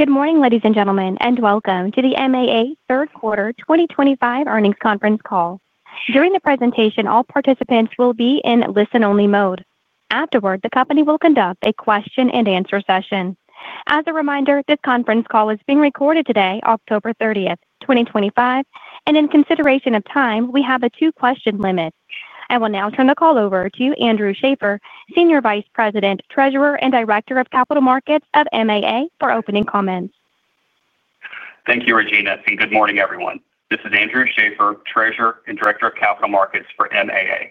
Good morning ladies and gentlemen and welcome to the MAA third quarter 2025 earn-ins conference call. During the presentation, all participants will be in listen only mode. Afterward, the company will conduct a question and answer session. As a reminder, this conference call is being recorded today, October 30, 2025, and in consideration of time we have a two question limit. I will now turn the call over to Andrew Schaeffer, Senior Vice President, Treasurer and Director of Capital Markets of MAA, for opening comments. Thank you, Regina, and good morning, everyone. This is Andrew Schaeffer, Treasurer and Director of Capital Markets for MAA.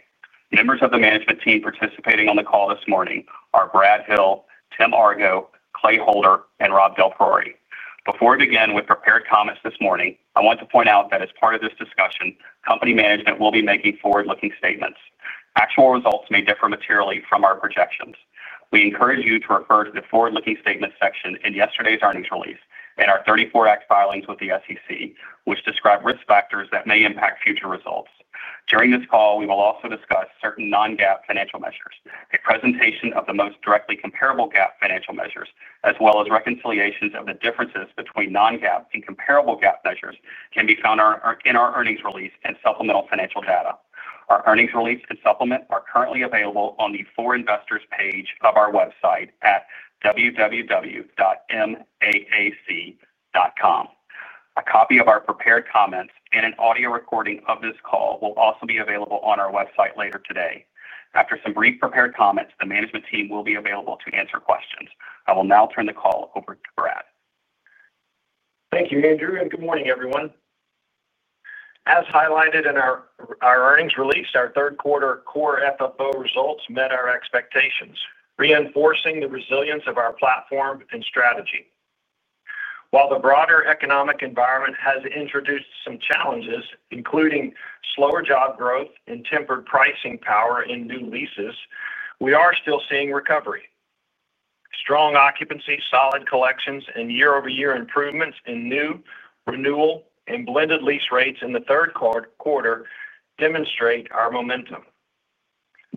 Members of the management team participating on the call this morning are Brad Hill, Tim Argo, Clay Holder, and Rob DelPriore. Before I begin with prepared comments this morning, I want to point out that as part of this discussion, company management will be making forward-looking statements. Actual results may differ materially from our projections. We encourage you to refer to the Forward-Looking Statements section in yesterday's earn-ins release and our 34 Act filings with the SEC, which describe risk factors that may impact future results. During this call, we will also discuss certain non-GAAP financial measures. A presentation of the most directly comparable GAAP financial measures, as well as reconciliations of the differences between non-GAAP and comparable GAAP measures, can be found in our earn-ins release and Supplemental Financial Data. Our earn-ins release and supplement are currently available on the For Investors page of our website at www.maac.com. A copy of our prepared comments and an audio recording of this call will also be available on our website later today. After some brief prepared comments, the management team will be available to answer questions. I will now turn the call over to Brad. Thank you, Andrew, and good morning, everyone. As highlighted in our earn-ins release, our third quarter Core FFO results met our expectations, reinforcing the resilience of our platform and strategy. While the broader economic environment has introduced some challenges, including slower job growth and tempered pricing power in new leases, we are still seeing recovery. Strong occupancy, solid collections, and year-over-year improvements in new, renewal, and blended lease rates in the third quarter demonstrate our momentum.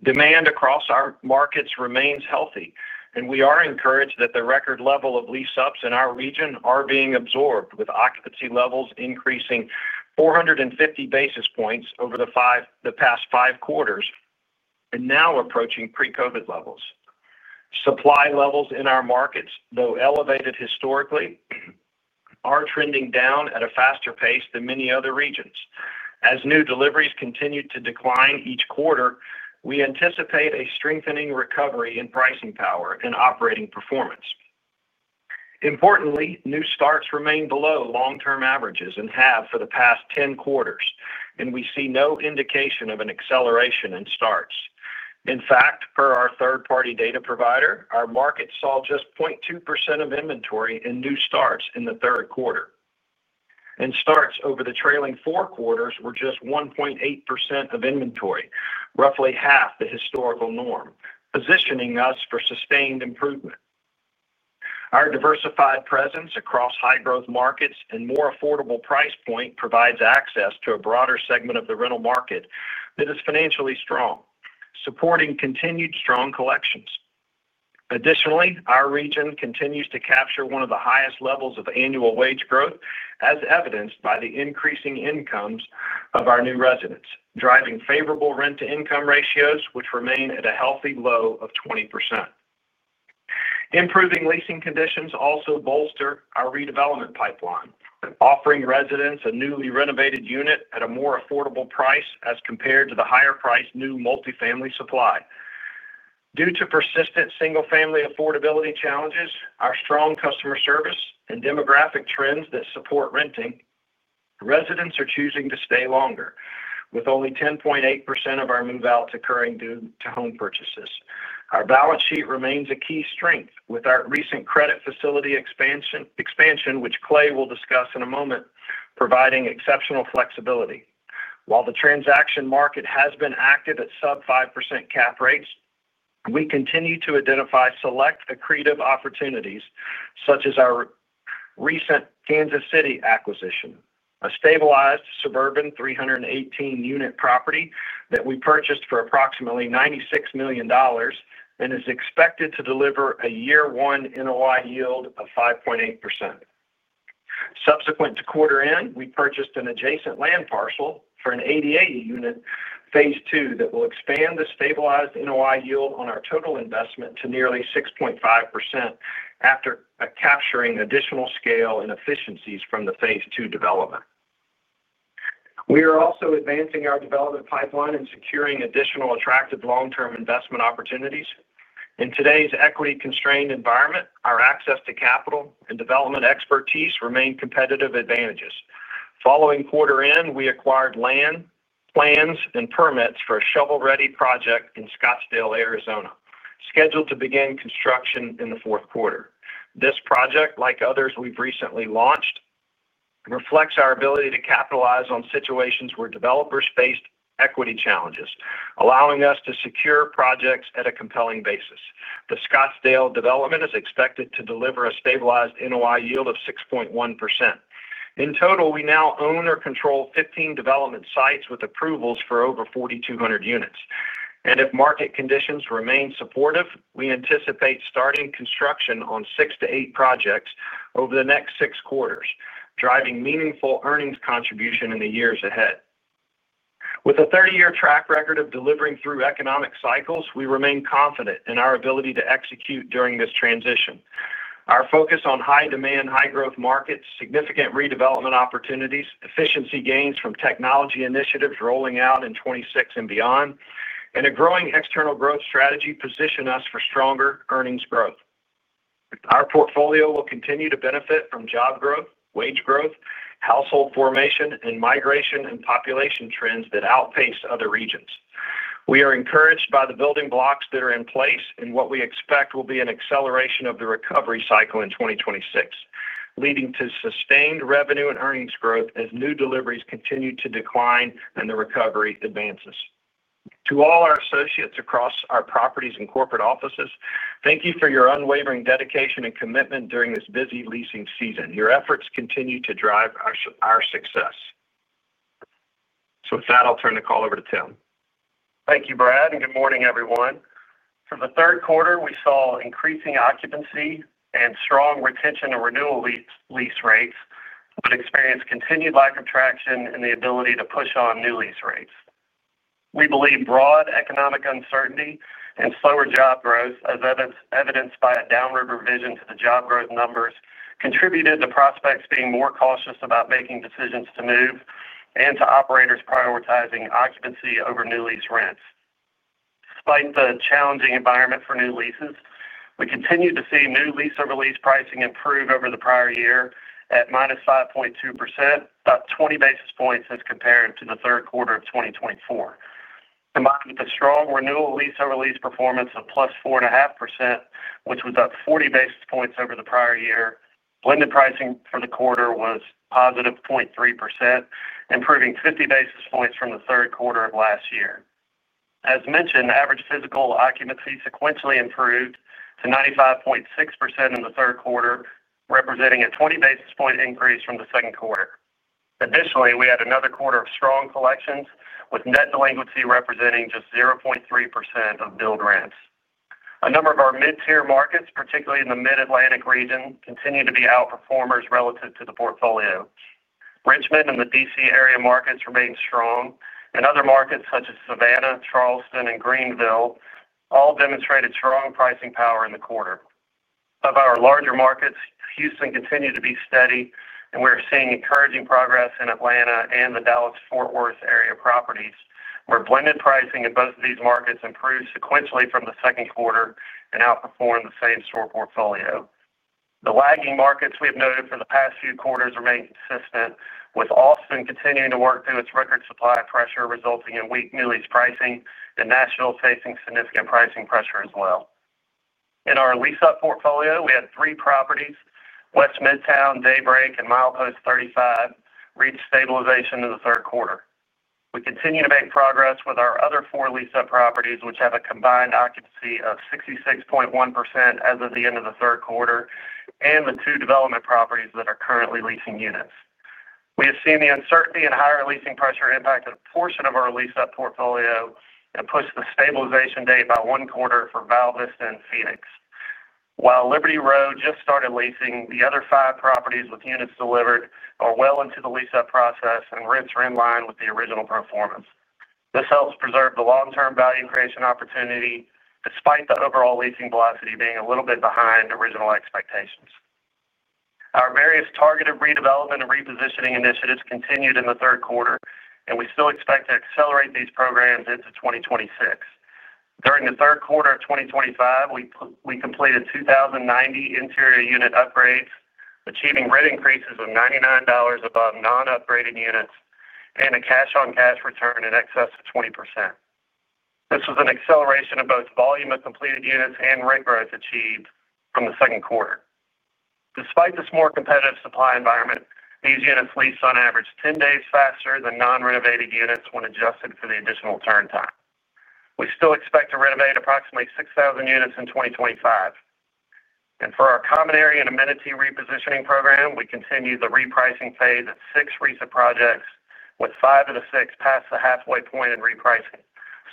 Demand across our markets remains healthy, and we are encouraged that the record level of lease-ups in our region are being absorbed, with occupancy levels increasing 450 basis points over the past five quarters and now approaching pre-COVID levels. Supply levels in our markets, though elevated historically, are trending down at a faster pace than many other regions. As new deliveries continue to decline each quarter, we anticipate a strengthening recovery in pricing power and operating performance. Importantly, new starts remain below long-term averages and have for the past 10 quarters, and we see no indication of an acceleration in starts. In fact, per our third-party data provider, our market saw just 0.2% of inventory in new starts in the third quarter, and starts over the trailing four quarters were just 1.8% of inventory, roughly half the historical norm, positioning us for sustained improvement. Our diversified presence across high-growth markets and more affordable price point provides access to a broader segment of the rental market that is financially strong, supporting continued strong collections. Additionally, our region continues to capture one of the highest levels of annual wage growth, as evidenced by the increased incomes of our new residents, driving favorable rent-to-income ratios which remain at a healthy low of 20%. Improving leasing conditions also bolster our redevelopment pipeline, offering residents a newly renovated unit at a more affordable price as compared to the higher-priced new multifamily supply. Due to persistent single-family affordability challenges, our strong customer service, and demographic trends that support renting, residents are choosing to stay longer, with only 10.8% of our move-outs occurring due to home purchases. Our balance sheet remains a key strength with our recent credit facility expansion, which Clay will discuss in a moment. Providing exceptional flexibility, while the transaction market has been active at sub-5% cap rates, we continue to identify select accretive opportunities such as our recent Kansas City acquisition, a stabilized suburban 318-unit property that we purchased for approximately $96 million and is expected to deliver a year one NOI yield of 5.8%. Subsequent to quarter end, we purchased an adjacent land parcel for an ADA unit Phase Two that will expand the stabilized NOI yield on our total investment to nearly 6.5%. After capturing additional scale and efficiencies from the Phase Two development, we are also advancing our development pipeline and securing additional attractive long-term investment opportunities. In today's equity-constrained environment, our access to capital and development expertise remain competitive advantages. Following quarter end, we acquired land, plans, and permits for a shovel-ready project in Scottsdale, Arizona, scheduled to begin construction in the fourth quarter. This project, like others we've recently launched, reflects our ability to capitalize on situations where developers faced equity challenges, allowing us to secure projects at a compelling basis. The Scottsdale development is expected to deliver a stabilized NOI yield of 6.1%. In total, we now own or control 15 development sites with approvals for over 4,200 units, and if market conditions remain supportive, we anticipate starting construction on six to eight projects over the next six quarters, driving meaningful earn-ins contribution in the years ahead. With a 30-year track record of delivering through economic cycles, we remain confident in our ability to execute during this transition. Our focus on high-demand, high-growth markets, significant redevelopment opportunities, efficiency gains from technology initiatives rolling out in 2026 and beyond, and a growing external growth strategy position us for stronger earn-ins growth. Our portfolio will continue to benefit from job growth, wage growth, household formation and migration, and population trends that outpace other regions. We are encouraged by the building blocks that are in place and what we expect will be an acceleration of the recovery cycle in 2026, leading to sustained revenue and earn-ins growth as new deliveries continue to decline and the recovery advances. To all our associates across our properties and corporate offices, thank you for your unwavering dedication and commitment during this busy leasing season. Your efforts continue to drive our success. With that, I'll turn the call over to Tim. Thank you, Brad, and good morning, everyone. For the third quarter, we saw increasing occupancy and strong retention and renewal lease rates, but experienced continued lack of traction in the ability to push on new lease rates. We believe broad economic uncertainty and slower job growth, as evidenced by a downward revision to the job growth numbers, contributed to prospects being more cautious about making decisions to move and to operators prioritizing occupancy over new lease rents. Despite the challenging environment for new leases, we continue to see new lease-over-lease pricing improve over the prior year at -5.2%, about 20 basis points as compared to the third quarter of 2024. Combined with the strong renewal lease over lease performance of +4.5%, which was up 40 basis points over the prior year, blended pricing for the quarter was positive 0.3%, improving 50 basis points from the third quarter of last year. As mentioned, average physical occupancy sequentially improved to 95.6% in the third quarter, representing a 20 basis point increase from the second quarter. Additionally, we had another quarter of strong collections with net delinquency representing just 0.3% of billed rents. A number of our mid-tier markets, particularly in the Mid Atlantic region, continue to be outperformers relative to the portfolio. Richmond and the Washington D.C. area markets remain strong, and other markets such as Savannah, Charleston, and Greenville all demonstrated strong pricing power in the quarter. Of our larger markets, Houston continued to be steady, and we're seeing encouraging progress in Atlanta and the Dallas-Fort Worth area properties, where blended pricing in both of these markets improved sequentially from the second quarter and outperformed the same store portfolio. The lagging markets we have noted for the past few quarters remain consistent, with Austin continuing to work through its record supply pressure resulting in weak new lease pricing, and Nashville facing significant pricing pressure. As well as in our lease-up portfolio, we had three properties, West Midtown, Daybreak, and Milepost 35, reach stabilization in the third quarter. We continue to make progress with our other four lease-up properties, which have a combined occupancy of 66.1% as of the end of the third quarter, and the two development properties that are currently leasing units. We have seen the uncertainty and higher leasing pressure impact a portion of our lease-up portfolio and push the stabilization date by one quarter for Val Vista in Phoenix, while Liberty Road just started leasing. The other five properties with units delivered are well into the lease-up process, and rents are in line with the original performance. This helps preserve the long-term value creation opportunity. Despite the overall leasing velocity being a little bit behind original expectations, our various targeted redevelopment and repositioning initiatives continued in the third quarter, and we still expect to accelerate these programs into 2026. During the third quarter of 2025 we completed 2,090 interior unit upgrades, achieving rent increases of $99 above non-upgraded units and a cash on cash return in excess of 20%. This was an acceleration of both volume of completed units and rent growth achieved from the second quarter. Despite this more competitive supply environment, these units lease on average 10 days faster than non-renovated units when adjusted for the additional turn time. We still expect to renovate approximately 6,000 units in 2025 and for our common area and amenity repositioning program we continue the repricing phase at six recent projects with five of the six past the halfway point in repricing.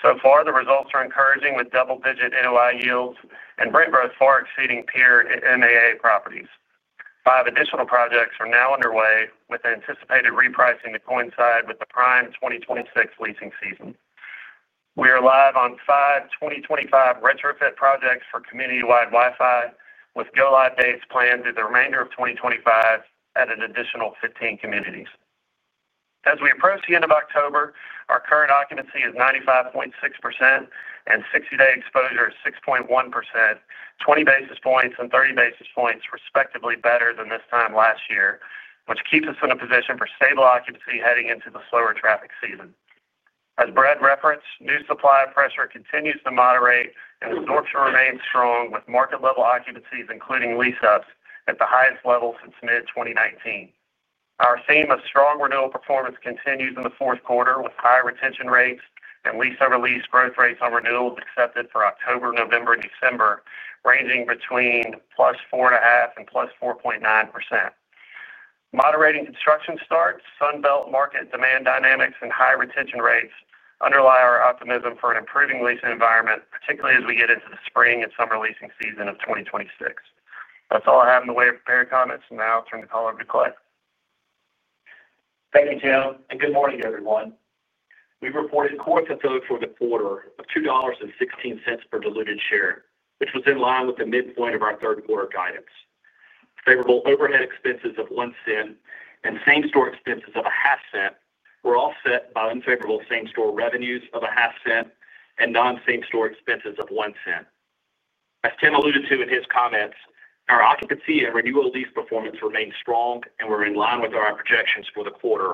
The results are encouraging with double-digit NOI yields and rent growth far exceeding peer MAA properties. Five additional projects are now underway with anticipated repricing to coincide with the prime 2026 leasing season. We are live on five 2025 retrofit projects for community-wide Wi-Fi with go-live dates planned through the remainder of 2025 at an additional 15 communities as we approach the end of October. Our current occupancy is 95.6% and 60-day exposure is 6.1%, 20 basis points and 30 basis points respectively better than this, which keeps us in a position for stable occupancy heading into the slower traffic season. As Brad referenced, new supply pressure continues to moderate and absorption remains strong with market level occupancies including lease-ups at the highest level since mid-2019. Our theme of strong renewal performance continues in the fourth quarter with high retention rates and lease over lease growth rates on renewals accepted for October, November, and December ranging between +4.5% and +4.9%. Moderating construction starts, Sunbelt market demand dynamics, and high retention rates underlie our optimism for an improving leasing environment, particularly as we get into the spring and summer leasing season of 2026. That's all I have in the way of prepared comments. Now I'll turn the call over to Clay. Thank you Tim and good morning everyone. We reported Core FFO for the quarter of $2.16 per diluted share, which was in line with the midpoint of our third quarter guidance. Favorable overhead expenses of $0.01 and same store expenses of $0.005 were offset by unfavorable same store revenues of $0.005 and non same store expenses of $0.01. As Tim alluded to in his comments, our occupancy and renewal lease performance remained strong and were in line with our projections for the quarter,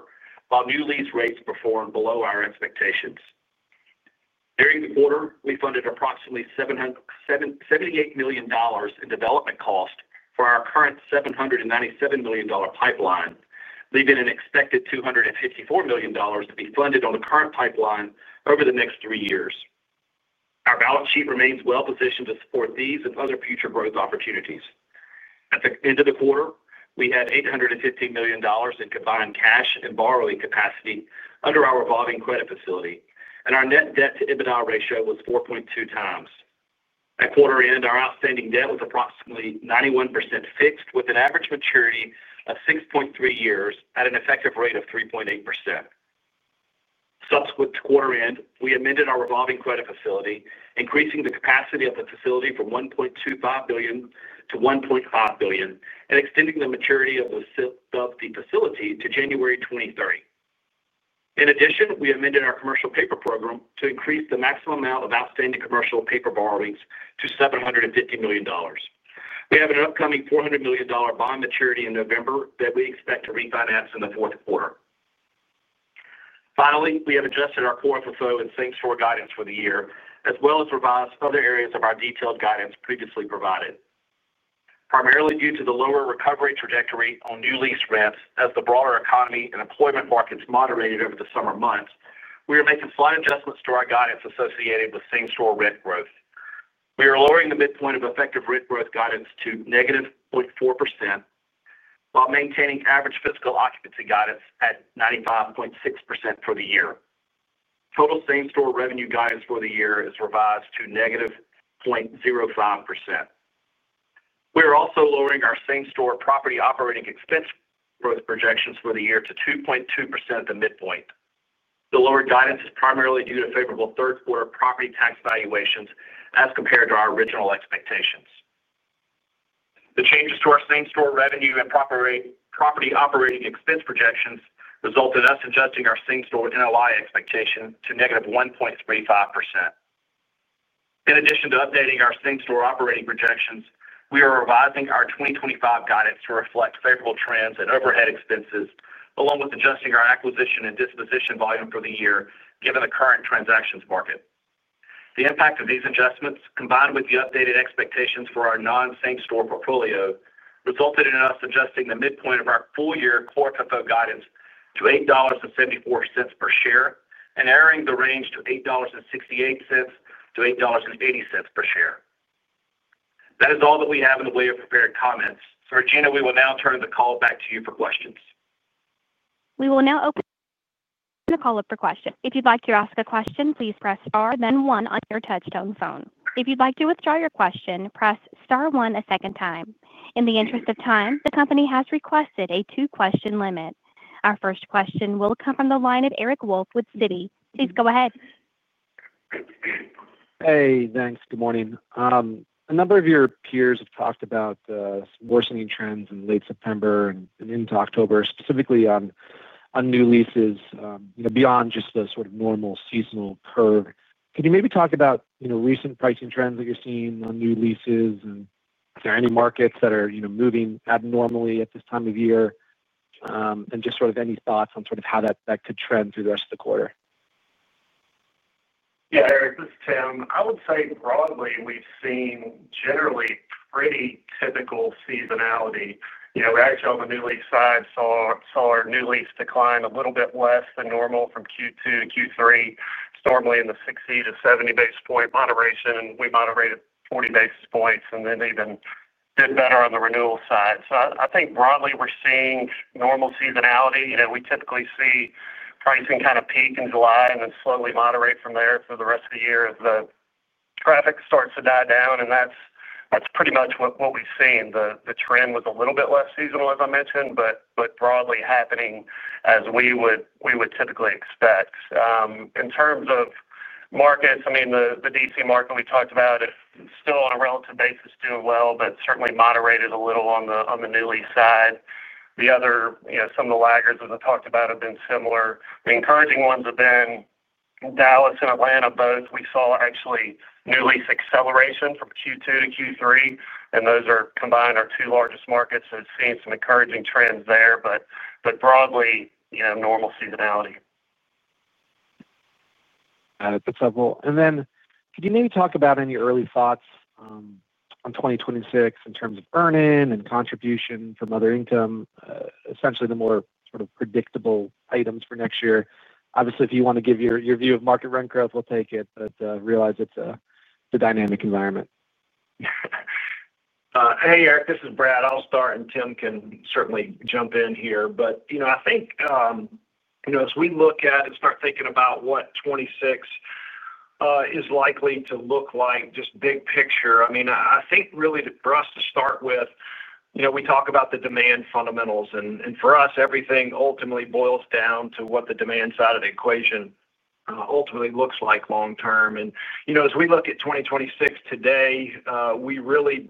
while new lease rates performed below our expectations. During the quarter, we funded approximately $78 million in development cost for our current $797 million pipeline, leaving an expected $254 million to be funded on the current pipeline over the next three years. Our balance sheet remains well positioned to support these and other future growth opportunities. At the end of the quarter, we had $850 million in combined cash and borrowing capacity under our revolving credit facility, and our net debt to EBITDA ratio was 4.2 times. At quarter end, our outstanding debt was approximately 91% fixed with an average maturity of 6.3 years at an effective rate of 3.8%. Subsequent to quarter end, we amended our revolving credit facility, increasing the capacity of the facility from $1.25 billion to $1.5 billion and extending the maturity of the facility to January 2030. In addition, we amended our commercial paper program to increase the maximum amount of outstanding commercial paper borrowings to $750 million. We have an upcoming $400 million bond maturity in November that we expect to refinance in the fourth quarter. Finally, we have adjusted our Core FFO and same store guidance for the year as well as revised other areas of our detailed guidance previously provided, primarily due to the lower recovery trajectory on new lease rents. As the broader economy and employment markets moderated over the summer months, we are making slight adjustments to our guidance associated with same store rent growth. We are lowering the midpoint of effective rent growth guidance to negative 0.4% while maintaining average fiscal occupancy guidance at 95.6% for the year. Total same store revenue guidance for the year is revised to negative 0.05%. We are also lowering our same store property operating expense growth projections for the year to 2.2%. The midpoint of the lower guidance is primarily due to favorable third quarter property tax valuations as compared to our original expectations. The changes to our same store revenue and property operating expense projections result in us adjusting our same store NOI expectation to negative 1.35%. In addition to updating our same store operating projections, we are revising our 2025 guidance to reflect favorable trends in overhead expenses along with adjusting our acquisition and disposition volume for the year given the current transactions market. The impact of these adjustments, combined with the updated expectations for our non same store portfolio, resulted in us adjusting the midpoint of our full year Core FFO guidance to $8.74 per share and narrowing the range to $8.68 to $8.80 per share. That is all that we have in the way of prepared comments. Regina, we will now turn the call back to you for questions. We will now open the call up for questions. If you'd like to ask a question, please press star then one on your touchtone phone. If you'd like to withdraw your question, press star one a second time. In the interest of time, the company has requested a two question limit. Our first question will come from the line of Eric Wolfe with Citi. Please go ahead. Hey, thanks. Good morning. A number of your peers have talked about worsening trends in late September and into October, specifically on new lease beyond just the sort of normal seasonal curve. Can you maybe talk about recent pricing trends that you're seeing on new leases? Is there any markets that are moving abnormally at this time of year and just sort of any thoughts on how that could trend through the rest of the quarter? Yeah, Eric, this is Tim. I would say broadly we've seen generally pretty typical seasonality. We actually on the new lease side saw our new lease decline a little bit less than normal from Q2 to Q3. Normally in the 60 to 70 basis point moderation, we moderated 40 basis points and then even did better on the renewal side. I think broadly we're seeing normal seasonality. We typically see pricing kind of peak in July and then slowly moderate from there for the rest of the year as the traffic starts to die down. That's pretty much what we've seen. The trend was a little bit less seasonal as I mentioned, but broadly happening as we would typically expect. In terms of markets, the D.C. market we talked about still on a relative basis doing well, but certainly moderated a little on the new lease side. The other, some of the laggards as I talked about, have been similar. The encouraging ones have been Dallas and Atlanta both. We saw actually new lease acceleration from Q2 to Q3, and those are combined our two largest markets. Seeing some encouraging trends there, broadly normal seasonality. That's helpful. Could you maybe talk about any early thoughts on 2026 in terms of earn-in and contribution from other income, essentially the more predictable items for next year? Obviously, if you want to give your view of market rent growth, we'll take it, but realize it's a dynamic. Hey, Eric, this is Brad. I'll start and Tim can certainly jump in here. As we look at and start thinking about what 2026 is likely to look like, just big picture, I think really for us, to start with, we talk about the demand fundamentals and for us, everything ultimately boils down to what the demand side of the equation ultimately looks like long term. As we look at 2026 today, we really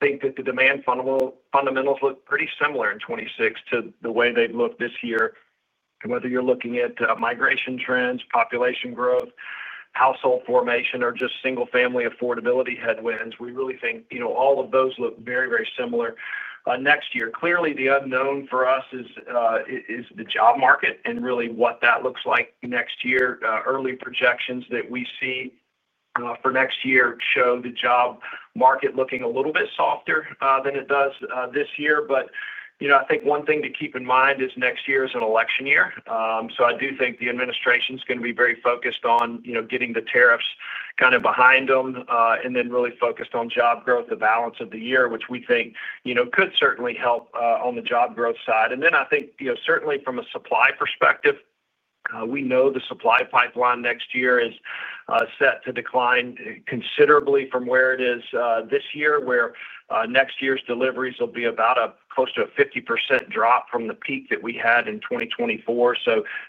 think that the demand fundamentals look pretty similar in 2026 to the way they've looked this year. Whether you're looking at migration trends, population growth, household formation, or just single family affordability headwinds, we really think all of those look very, very similar next year. Clearly, the unknown for us is the job market and really what that looks like next year. Early projections that we see for next year show the job market looking a little bit softer than it does this year. I think one thing to keep in mind is next year is an election year. I do think the administration is going to be very focused on getting the tariffs kind of behind them and then really focused on job growth, the balance of the year, which we think could certainly help on the job growth side. I think certainly from a supply perspective, we know the supply pipeline next year is set to decline considerably from where it is this year, where next year's deliveries will be about a close to a 50% drop from the peak that we had in 2024.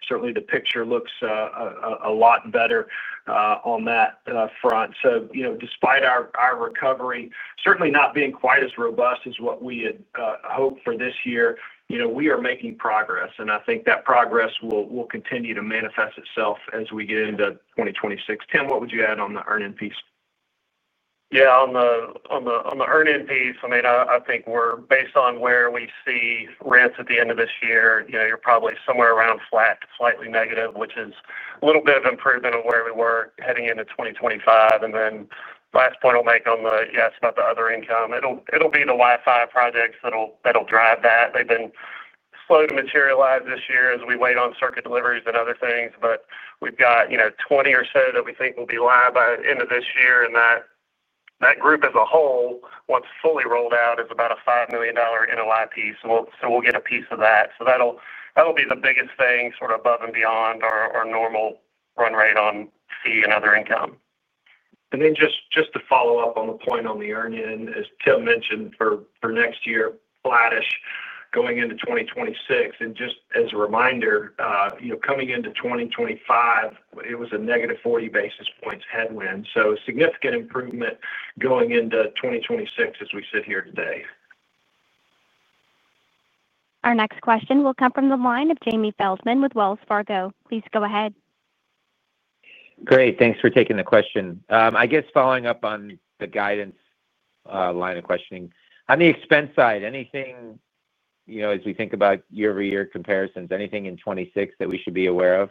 Certainly, the picture looks a lot better on that front. Despite our recovery certainly not being quite as robust as what we had hoped for this year, we are making progress. I think that progress will continue to manifest itself as we get into 2026. Tim, what would you add? On the earn-in piece? Yeah, on the earn-in piece. I mean, I think we're based on where we see rents at the end of this year. You're probably somewhere around flat to slightly negative, which is a little bit of improvement on where we were heading into 2025. Last point I'll make on the yes, about the other income. It'll be the Wi-Fi retrofit program projects that'll drive that. They've been slow to materialize this year as we wait on circuit deliveries and other things, but we've got 20 or so that we think by end of this year and that group as a whole, once fully rolled out, is about a $5 million NOI piece. We'll get a piece of that. That'll be the biggest thing sort of above and beyond our normal run rate on fee and other income. Just to follow up on the point on the earn-in, as Tim mentioned for next year, flattish going into 2026 and just as a reminder, coming into 2025, it was a negative 40 basis points headwind improvement going into 2026 as we sit here today. Our next question will come from the line of Jamie Feldman with Wells Fargo. Please go ahead. Great, thanks for taking the question. I guess following up on the guidance line of questioning on the expense side, anything, you know, as we think about year-over-year comparisons, anything in 2026 that we should be aware of.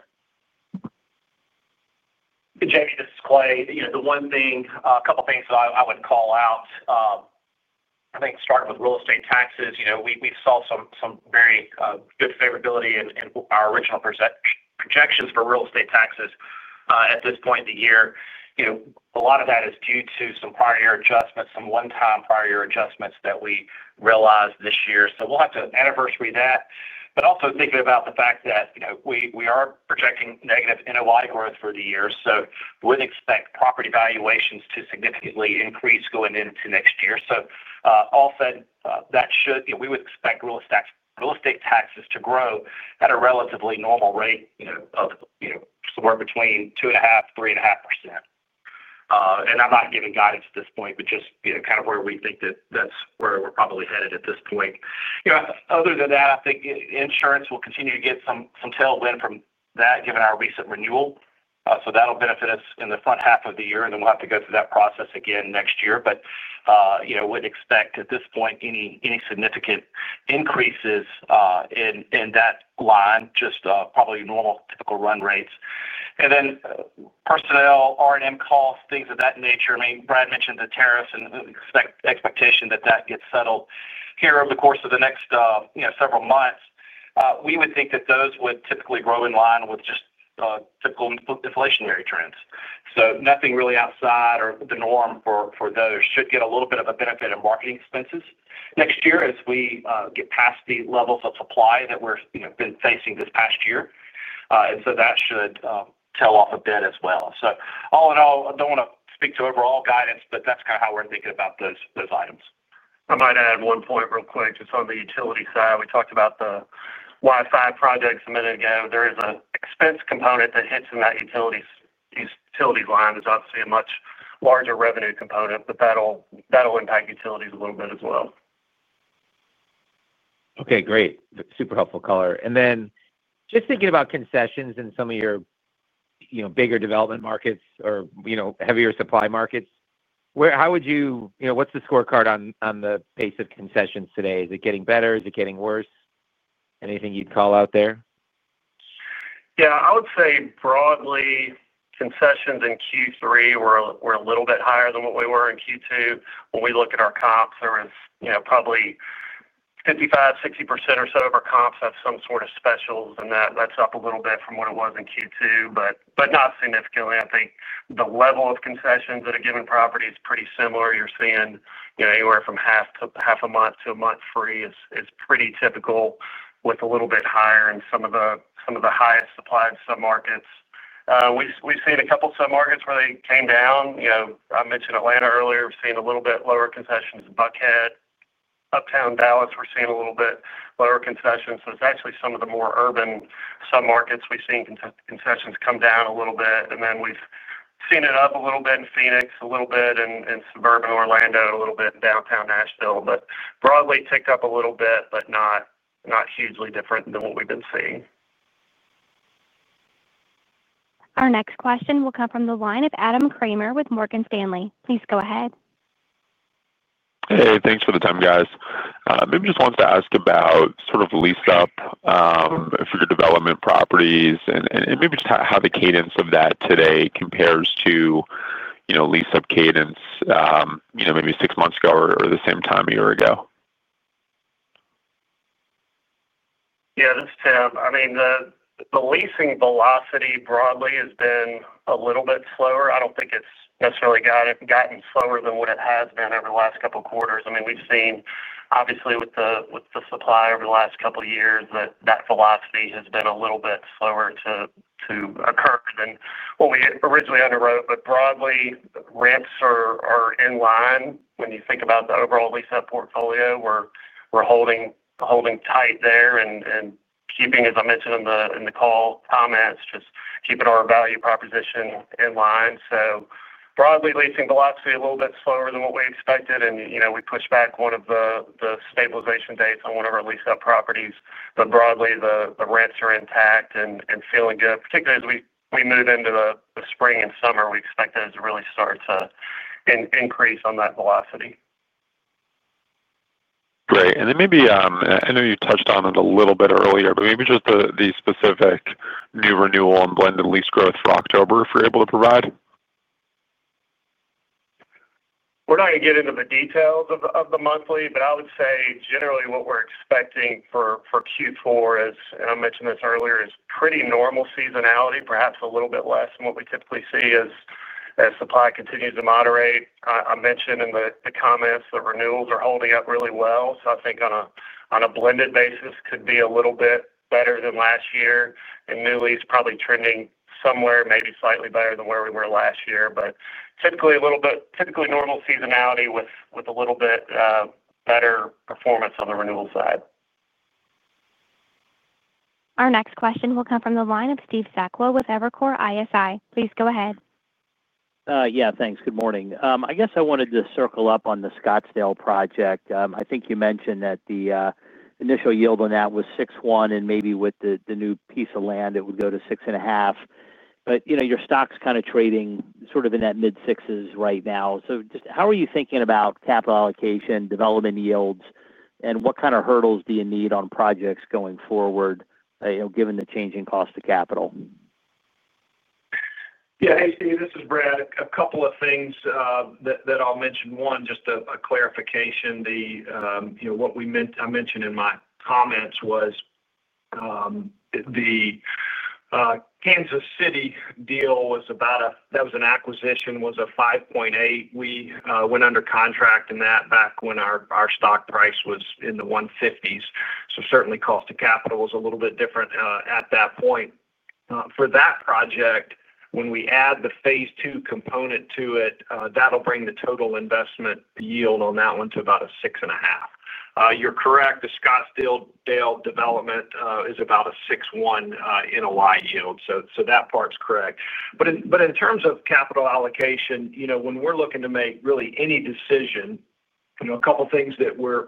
Jamie, this is Clay. The one thing, a couple things that I would call out, I think starting with real estate taxes. We saw some very good favorability in our original projections for real estate taxes at this point in the year. A lot of that is due to some prior year adjustments, some one-time prior year adjustments that we realized this year. We'll have to anniversary that. Also thinking about the fact that we are projecting negative NOI growth for the year, so would expect property valuations to significantly increase going into next year. All said, we would expect real estate taxes to grow at a relatively normal rate of somewhere between 2.5% and 3.5%. I'm not giving guidance at this point, but just kind of where we think that that's where we're probably headed at this point. Other than that, I think insurance will continue to get some tailwind from that given our recent renewal. That'll benefit us in the front half of the year and then we'll have to go through that process again next year. Wouldn't expect at this point any significant increases in that line, just probably normal typical run rates. Then personnel, R&M costs, things of that nature. Brad mentioned the tariffs and expectation that that gets settled here over the course of the next several months. We would think that those would typically grow in line with just typical deflationary trends. Nothing really outside of the norm for those. Should get a little bit of a benefit in marketing expenses next year as we get past the levels of supply that we're facing this past year. That should tail off a bit as well. All in all, I don't want to speak to overall guidance, but that's kind of how we're thinking about those items. I might add one point real quick. Just on the utility side, we talked about the Wi-Fi retrofit program a minute ago. There is an expense component that hits in that utilities line. There's obviously a much larger revenue component, but that'll impact utilities a little bit as well. Okay, great. Super helpful color. Just thinking about concessions and some of your bigger development markets or heavier supply markets, how would you, you know, what's the scorecard on the pace of concessions today? Is it getting better, is it getting worse? Anything you'd call out there? I would say broadly, concessions in Q3 were a little bit higher than what we were in Q2. When we look at our comps, there was probably 55% to 60% or so of our comps that have some sort of specials, and that's up a little bit from what it was in Q2, but not significantly. I think the level of concessions at a given property is pretty similar. You're seeing anywhere from half a month to a month free is pretty typical, with a little bit higher in some of the highest supplied submarkets. We've seen a couple submarkets where they came down. I mentioned Atlanta earlier. We're seeing a little bit lower concessions. Buckhead, Uptown, Dallas, we're seeing a little bit lower concessions. It's actually some of the more urban submarkets. We've seen concessions come down a little bit, and then we've seen it up a little bit in Phoenix, a little bit in suburban Orlando, a little bit in downtown Nashville, but broadly ticked up a little bit, but not hugely different than what we've been seeing. Our next question will come from the line of Adam Kramer with Morgan Stanley. Please go ahead. Hey, thanks for the time, guys. Maybe just wanted to ask about sort of lease up for your development properties and maybe just how the cadence of that today compares to lease up cadence maybe six months ago or the same time a year ago. Yeah, this is Tim. I mean the leasing velocity broadly has been a little bit slower. I don't think it's necessarily gotten slower than what it has been over the last couple quarters. We've seen obviously with the supply over the last couple years that that velocity has been a little bit slower to occur than what we originally underwrote. Broadly rents are in line. When you think about the overall lease up portfolio we're holding, holding tight there and keeping as I mentioned in the call comments, just keeping our value proposition in line. Broadly leasing velocity a little bit slower than what we expected and we pushed back one of the stabilization dates on one of our lease up properties but broadly the rents are intact and feeling good. Particularly as we move into the spring and summer. We expect those to really start to increase on that velocity. Great. Maybe I know you touched on it a little bit earlier but maybe just the specific new renewal and blended lease growth for October if you're able to provide. We're not going to get into the details of the monthly, but I would say generally what we're expecting for Q4. I mentioned this earlier is pretty normal seasonality, perhaps a little bit less than what we typically see as supply continues to moderate. I mentioned in the comments that renewals are holding up really well. I think on a blended basis could be a little bit better than last year and new lease is probably trending somewhere maybe slightly better than where we were last year, but typically normal seasonality with a little bit better performance on the renewal side. Our next question will come from the line of Steve Sakwa with Evercore ISI. Please go ahead. Yeah, thanks. Good morning. I guess I wanted to circle up on the Scottsdale project. I think you mentioned that the initial yield on that was 6.1 and maybe with the new piece of land it would go to 6.5, but you know your stock's kind of trading sort of in that mid-sixes right now. Just how are you thinking about capital allocation, development yields, and what kind of hurdles do you need on projects going forward given the changing cost of capital. Yeah. Hey Steve, this is Brad. A couple of things that I'll mention. One, just a clarification. What I mentioned in my comments was the Kansas City deal was about a, that was an acquisition, was a 5.8. We went under contract in that back when our stock price was in the $150s. Certainly, cost of capital was a little bit different at that point for that project. When we add the phase two component to it, that'll bring the total investment yield on that one to about a 6.5. You're correct. The Scottsdale development is about a 6.1 NOI yield. That part's correct. In terms of capital allocation, when we're looking to make really any decision, a couple things that we're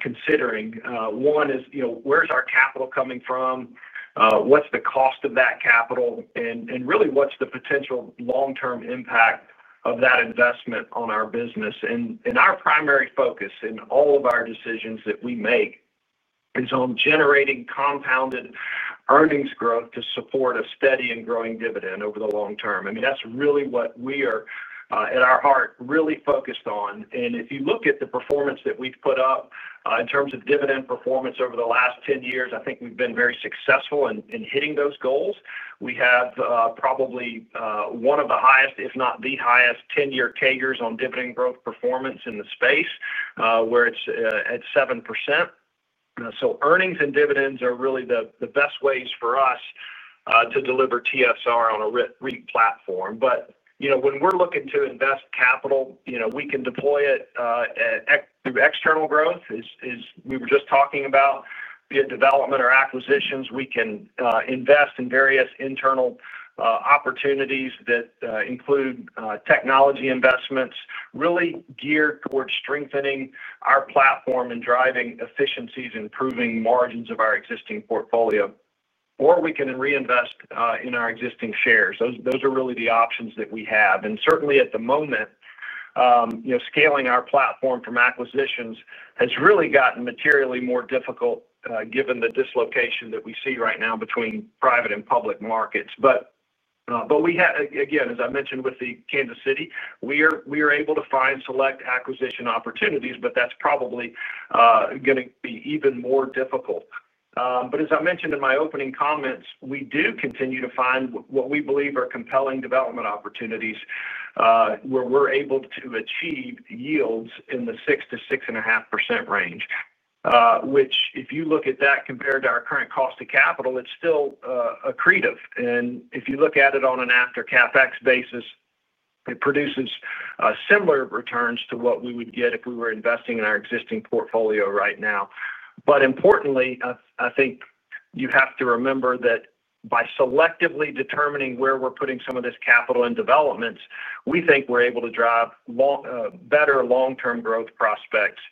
considering. One is where's our capital coming from? What's the cost of that capital really? What's the potential long-term impact of that investment on our business? Our primary focus in all of our decisions that we make is on generating compounded earn-ins growth to support a steady and growing dividend over the long term. I mean that's really what we are at our heart really focused on. If you look at the performance that we've put up in terms of dividend performance over the last 10 years, I think we've been very successful in hitting those goals. We have probably one of the highest, if not the highest, 10-year CAGRs on dividend growth performance in the space where it's at 7%. earn-ins and dividends are really the best ways for us to deliver TSR on a REIT platform. When we're looking to invest capital, we can deploy it through external growth as we were just talking about, via development or acquisitions. We can invest in various internal opportunities that include technology investment, really geared towards strengthening our platform and driving efficiencies, improving margins of our existing portfolio, or we can reinvest in our existing shares. Those are really the options that we have. Certainly at the moment, scaling our platform from acquisitions has really gotten materially more difficult given the dislocation that we see right now between private and public markets. We have, again as I mentioned with the Kansas City, been able to find select acquisition opportunities, but that's probably going to be even more difficult. As I mentioned in my opening comments, we do continue to find what we believe are compelling development opportunities where we're able to achieve yields in the 6% to 6.5% range, which if you look at that compared to our current cost of capital, it's still accretive. If you look at it on an after CapEx basis, it produces similar returns to what we would get if we were investing in our existing portfolio right now. Importantly, I think you have to remember that by selectively determining where we're putting some of this capital in developments, we think we're able to drive better long-term growth prospects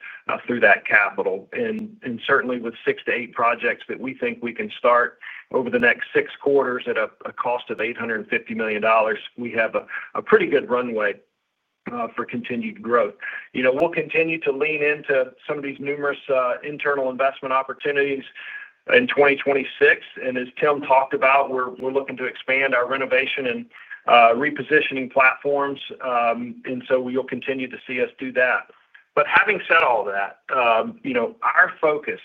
through that capital. With six to eight projects that we think we can start over the next six quarters at a cost of $850 million, we have a pretty good runway for continued growth. We'll continue to lean into some of these numerous internal investment opportunities in 2026. As Tim talked about, we're looking to expand our renovation and repositioning platforms, and we'll continue to see us do that. Having said all that, our focus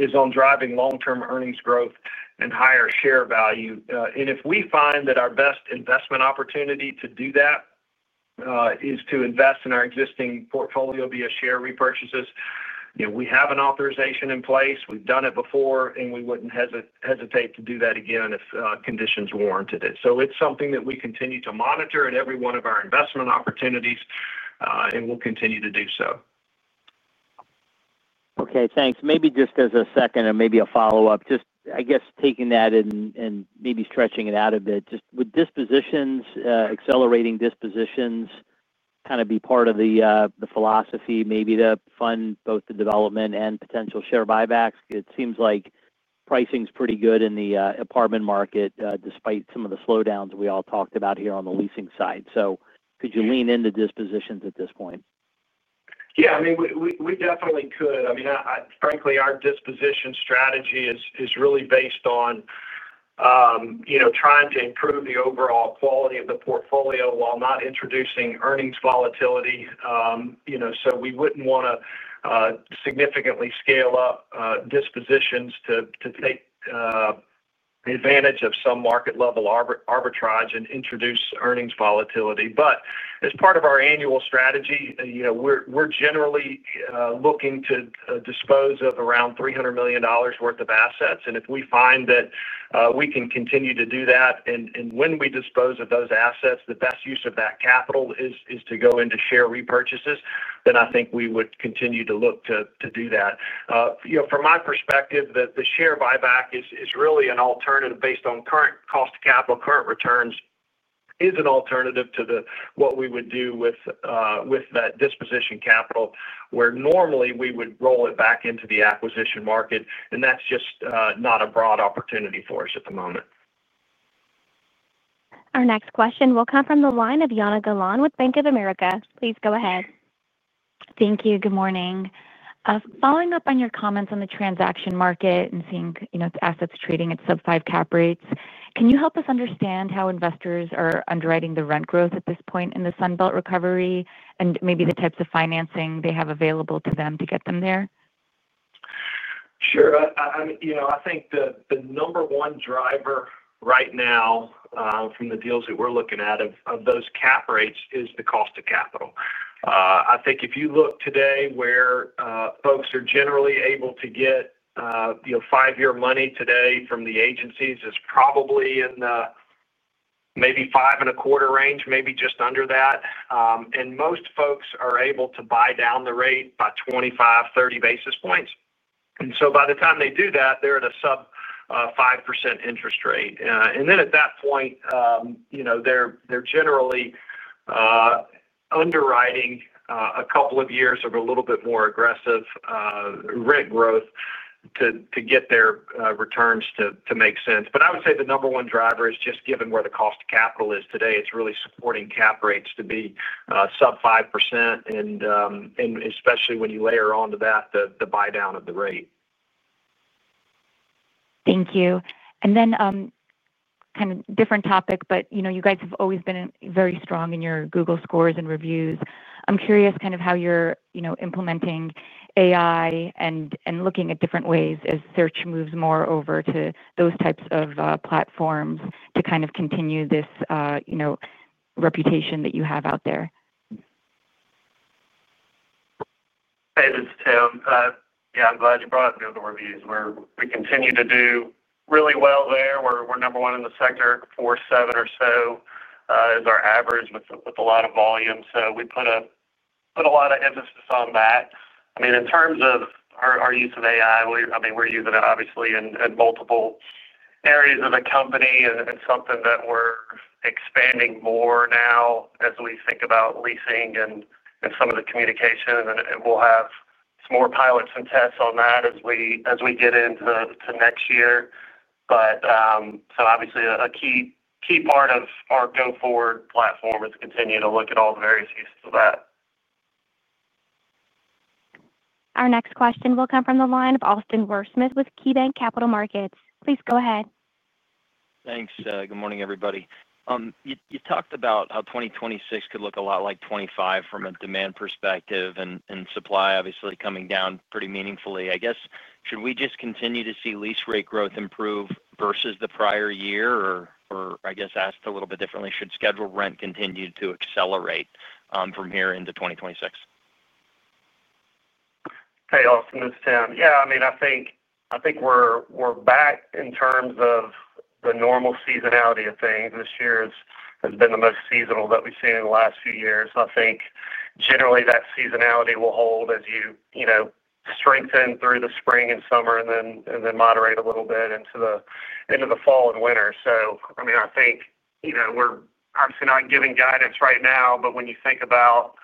is on driving long-term earn-ins growth and higher share value. If we find that our best investment opportunity to do that is to invest in our existing portfolio via share repurchases, we have an authorization in place. We've done it before and we wouldn't hesitate to do that again if conditions warranted it. It's something that we continue to monitor at every one of our investment opportunities and we'll continue to do so. Okay, thanks. Maybe just as a second and maybe a follow-up, just I guess taking that and maybe stretching it out a bit, just with dispositions, could accelerating dispositions kind of be part of the philosophy, maybe to fund both the development and potential share buybacks? It seems like pricing is pretty good in the apartment market, despite some of the slowdowns we all talked about here on the leasing side. Could you lean into dispositions at this point? Yeah, I mean, we definitely could. I mean, frankly, our disposition strategy is really based on trying to improve the overall quality of the portfolio while not introducing earn-ins volatility. We wouldn't want to significantly scale up dispositions to take advantage of some market level arbitrage and introduce earn-ins volatility. As part of our annual strategy, we're generally looking to dispose of around $300 million worth of assets. If we find that we can continue to do that, and when we dispose of those assets, the best use of that capital is to go into share repurchases, then I think we would continue to look to do that. From my perspective, the share buyback is really an alternative based on current cost of capital. Current returns is an alternative to what we would do with that disposition capital where normally we would roll it back into the acquisition market. That's just not a broad opportunity for us at the moment. Our next question will come from the line of Jana Galan with Bank of America. Please go ahead. Thank you. Good morning. Following up on your comments on the transaction market and seeing its assets trading at sub-5% cap rates. Can you help us understand how investors are underwriting the rent growth at this point in the Sunbelt recovery and maybe the types of financing they have available to them to get them there? Sure. I think the number one driver right now from the deals that we're looking at of those cap rates is the cost of capital. I think if you look today where folks are generally able to get five-year money today from the agencies, it's probably in the maybe 5.25% range, maybe just under that. Most folks are able to buy down the rate by 25 or 30 basis points. By the time they do that, they're at a sub-5% interest rate, and at that point, they're generally underwriting a couple of years of a little bit more aggressive rent growth to get their returns to make sense. I would say the number one driver is just given where the cost of capital is today, it's really supporting cap rates to be sub-5%, especially when you layer onto that the buy down of the rates. Thank you. Kind of different topic, but you know, you guys have always been very strong in your Google scores and reviews. I'm curious kind of how you're implementing AI and looking at different ways as search moves more over to those types of platforms to kind of continue this reputation that you have out there. Hey, this is Tim. I'm glad you brought up builder reviews where we continue to do really well there. We're number one in the sector. Four point seven or so is our average with a lot of volume. We put a lot of emphasis on that. In terms of our use of AI, we're using it obviously in multiple areas of the company and something that we're expanding more now as we think about leasing and some of the communication. We'll have some more pilots and tests on that as we get into next year. Obviously, a key part of our go forward platform is continuing to look at all the various uses of that. Our next question will come from the line of Austin Wurschmidt with KeyBanc Capital Markets. Please go ahead. Thanks. Good morning everybody. You talked about how 2026 could look a lot like 2025 from a demand perspective and supply obviously coming down pretty meaningfully, I guess. Should we just continue to see lease rate growth improve versus the prior year, or I guess asked a little bit differently, should schedule rent continue to accelerate from here into 2026. Hey, Austin, this is Tim. Yeah, I mean, I think we're back in terms of the normal seasonality of things. This year has been the most seasonal that we've seen in the last few years. I think generally that seasonality will hold as you strengthen through the spring and summer and then moderate a little bit into the fall and winter. I think we're obviously not giving guidance right now, but when you think about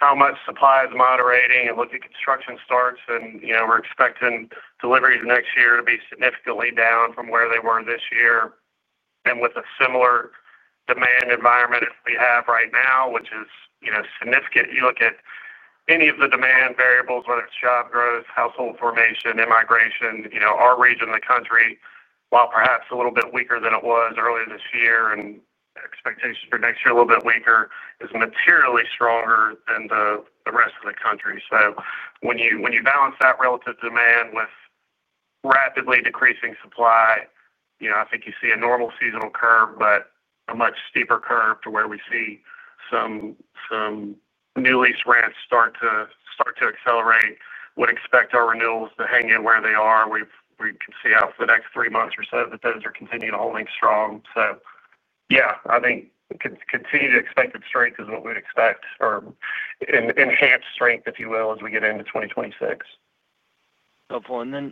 how much supply is moderating and look at construction starts, and you know, we're expecting deliveries next year to be significantly down from where they were this year and with a similar demand environment we have right now, which is, you know, significant. You look at any of the demand variables, whether it's job growth, household formation, immigration, you know, our region of the country, while perhaps a little bit weaker than it was earlier this year and expectations for next year a little bit weaker, is materially stronger than the rest of the country. When you balance that relative demand with rapidly decreasing supply, I think you see a normal seasonal curve, but a much steeper curve to where we see some new lease rents start to accelerate. Would expect our renewals to hang in where they are. We can see out for the next three months or so that those are continuing to hold strong. Yeah, I think continued expected strength is what we'd expect, or enhanced strength, if you will, as we get into 2026.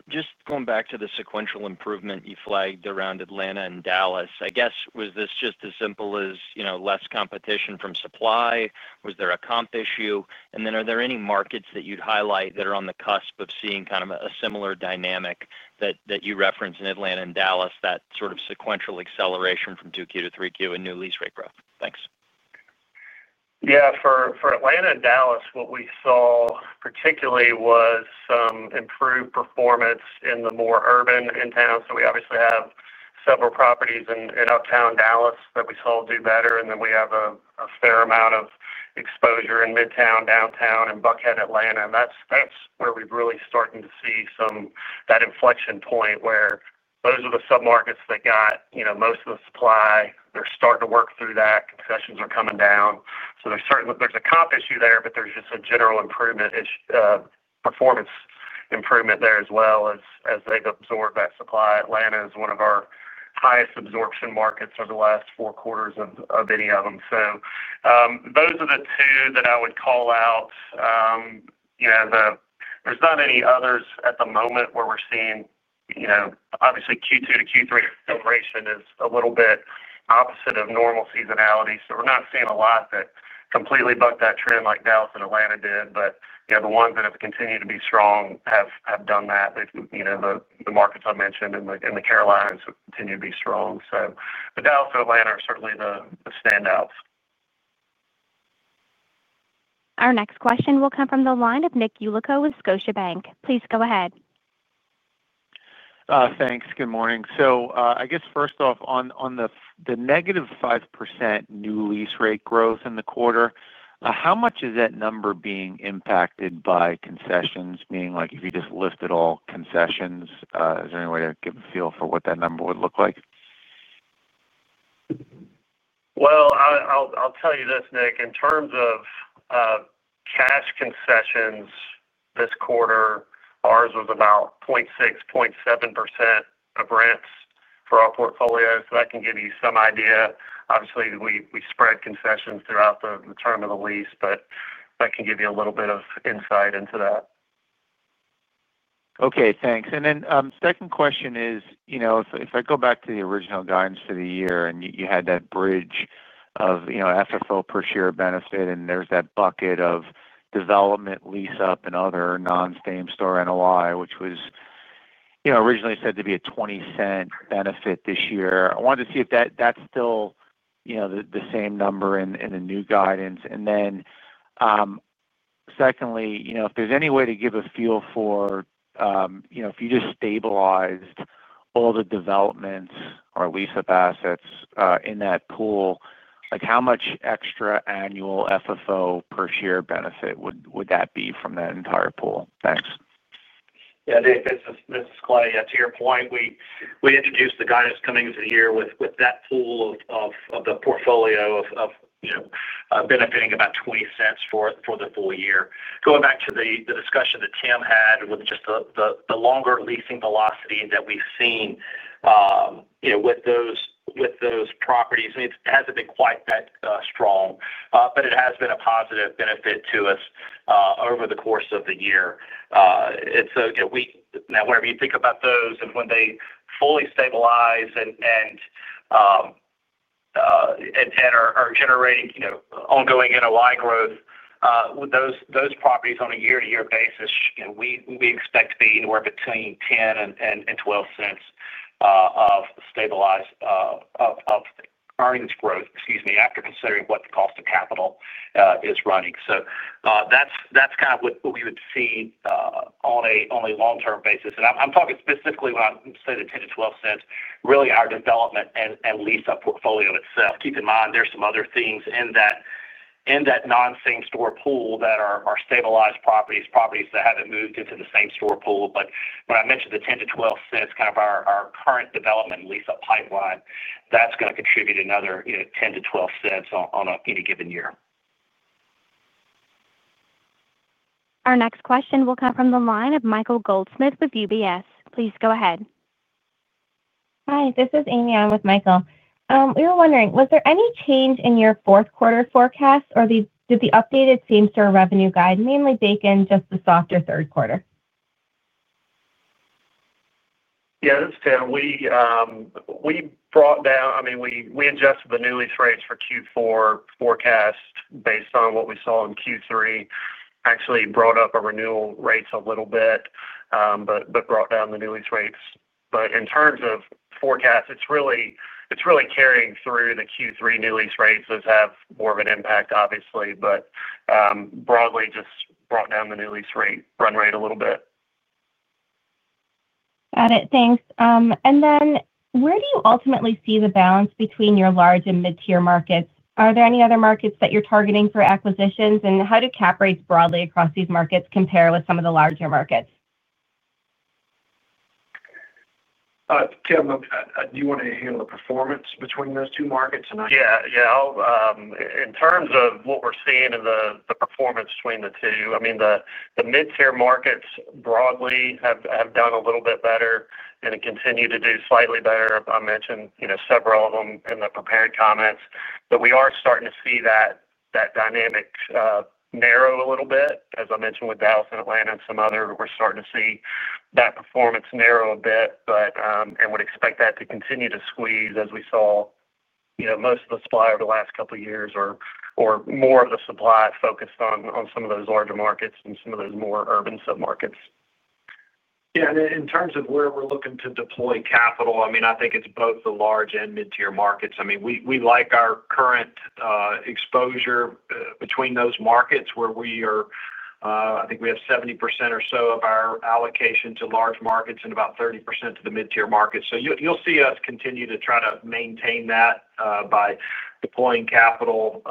Just going back to the sequential improvement you flagged around Atlanta and Dallas, I guess, was this just as simple as less competition from supply? Was there a comp issue? Are there any markets that you'd highlight that are on the cusp of seeing kind of a similar dynamic that you referenced in Atlanta and Dallas, that sort of sequential acceleration from 2Q to 3Q and new lease rate growth. Thanks. Yeah. For Atlanta and Dallas, what we saw particularly was some improved performance in the more urban in town. We obviously have several properties in uptown Dallas that we saw do better. We have a fair amount of exposure in Midtown, downtown, and Buckhead, Atlanta. That's where we're really starting to see some of that inflection point, where those are the sub markets that got most of the supply. They're starting to work through that. Concessions are coming down, so there's a comp issue there, but there's just a general improvement, performance improvement there as well as they've absorbed that supply. Atlanta is one of our highest absorption markets over the last four quarters of any of them. Those are the two that I would call out. There's not any others at the moment. We're seeing obviously Q2 to Q3 celebration is a little bit opposite of normal seasonality. We're not seeing a lot that completely bucked that trend like Dallas and Atlanta did. The ones that have continued to be strong have done that. The markets I mentioned in the Carolinas continue to be strong. Dallas and Atlanta are certainly the standouts. Our next question will come from the line of Nick Yulico with Scotiabank. Please go ahead. Thanks. Good morning. I guess first off, on the negative 5% new lease rate growth in the quarter, how much is that number being impacted by concessions? Meaning if you just listed all concessions, is there any way to give a feel for what that number would look like? I'll tell you this, Nick. In terms of cash concessions this quarter, ours was about 0.6%, 0.7% of rents for our portfolio. That can give you some idea. Obviously, we spread concessions throughout the term of the lease, but that can give you a little bit of insight into that. Okay, thanks. The second question is, if I go back to the original guidance for the year and you had that bridge of FFO per share benefit and there's that bucket of development lease up and other non same store NOI, which was originally said to be a $0.20 benefit this year, I wanted to see if that's still the same number in the new guidance. Secondly, if there's any way to give a feel for if you just stabilized all the developments or lease up assets in that pool, how much extra annual FFO per share benefit would that be from that entire pool? Thanks. Yeah, Nick, this is Clay. To your point, we introduced the guidance coming into the year with that pool of the portfolio benefiting about $0.20 for the full year. Going back to the discussion that Tim had with just the longer leasing velocity that we've seen with those properties, it hasn't been quite that strong, but it has been a positive benefit to us over the course of the year. Now, wherever you think about those and when they fully stabilize and are generating ongoing NOI growth with those properties on a year-to-year basis, we expect to be anywhere between $0.10 and $0.12 of stabilized earn-ins growth, after considering what the cost of capital is running. That's kind of what we would see on a long-term basis. I'm talking specifically, when I say the $0.10 to $0.12, really our development lease up portfolio itself. Keep in mind there's some other things in that non same store pool that are stabilized properties, properties that haven't moved into the same store pool. When I mention the $0.10 to $0.12, it's kind of our current development lease up pipeline that's going to contribute another $0.10 to $0.12 on any given year. Our next question will come from the line of Michael Goldsmith with UBS. Please go ahead. Hi, this is Amy, I'm with Michael. We were wondering, was there any change in your fourth quarter forecast, or did the updated same store revenue guide mainly bake in just the softer third quarter? Yeah, this Tim. We brought down, I mean, we adjusted the new lease rates for Q4 forecast based on what we saw in Q3. Actually brought up our renewal rates a little bit, but brought down the new lease rates. In terms of forecast, it's really carrying through the Q3 new lease rates. Those have more of an impact, obviously, but broadly just brought down the new lease rate run rate a little bit. Got it, thanks. Where do you ultimately see the balance between your large and mid tier market? Are there any other markets that you're targeting for acquisitions, and how do cap rates broadly across these markets compare with some of the larger markets? Tim, do you want to handle the performance between those two markets tonight? Yeah, in terms of what we're seeing in the performance between the two, the mid tier markets broadly have done a little bit better and continue to do slightly better. I mentioned several of them in the prepared comments. We are starting to see that dynamic narrow a little bit as I mentioned with Dallas and Atlanta and some others, we're starting to see that performance narrow a bit and would expect that to continue to squeeze as we saw most of the supply over the last couple of years or more of the supply focused on some of those larger markets and some of those more urban submarkets. In terms of where we're looking to deploy capital, I think it's both the large and mid tier markets. We like our current exposure between those markets where we are. I think we have 70% or so of our allocation to large markets and about 30% to the mid tier market. You'll see us continue to try to maintain that by deploying capital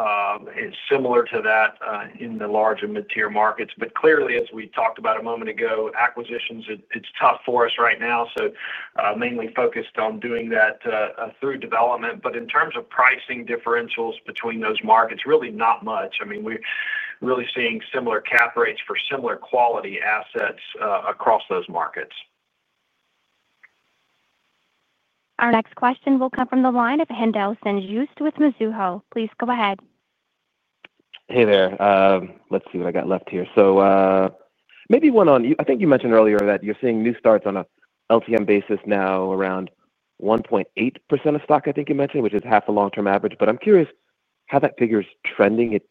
similar to that in the larger and mid tier markets. Clearly, as we talked about a moment ago, acquisitions, it's tough for us right now. Mainly focused on doing that through development. In terms of pricing differentials between those markets, really not much. We are really seeing similar cap rates for similar quality assets across those markets. Our next question will come from the line of Haendel St. Juste with Mizuho. Please go ahead. Hey there. Let's see what I got left here. Maybe one on you. I think you mentioned earlier that you're seeing new starts on a LTM basis now around 1.8% of stock, I think you mentioned, which is half a long term average. I'm curious how that figure is trending. It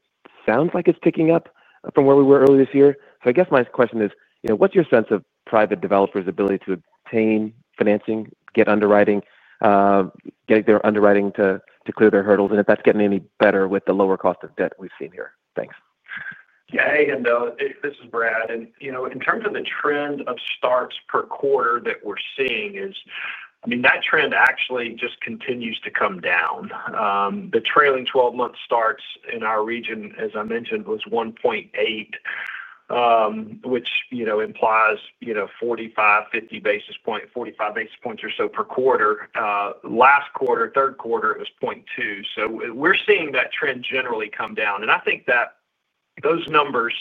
sounds like it's picking up from where we were earlier this year. I guess my question is what's your sense of private developers' ability to obtain financing, get underwriting, getting their underwriting to clear their hurdles, and if that's getting any better with the lower cost of debt we've seen here. Thanks. Yeah. Hey Haendel, this is Brad. In terms of the trend of starts per quarter that we're seeing, that trend actually just continues to come down. The trailing 12 month starts in our region, as I mentioned, was 1.8%, which implies 45, 50 basis points, 45 basis points or so per quarter. Last quarter, third quarter, it was 0.2%. We're seeing that trend generally come down. I think that those numbers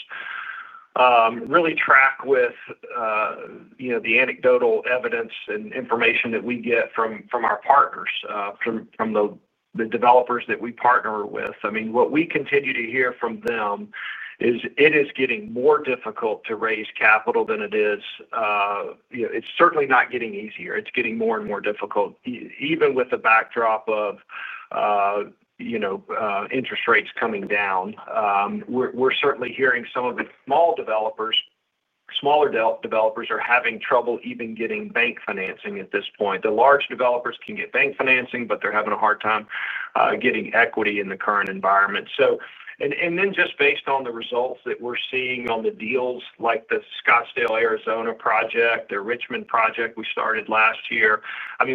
really track with the anecdotal evidence and information that we get from our partners, from the developers that we partner with. What we continue to hear from them is it is getting more difficult to raise capital than it is. It's certainly not getting easier, it's getting more and more difficult. Even with the backdrop of interest rates coming down, we're certainly hearing some of the small developers, smaller developers are having trouble even getting bank financing at this point. The large developers can get bank financing, but they're having a hard time getting equity in the current environment. Just based on the results that we're seeing on the deals, like the Scottsdale, Arizona project, the Richmond project we started last year,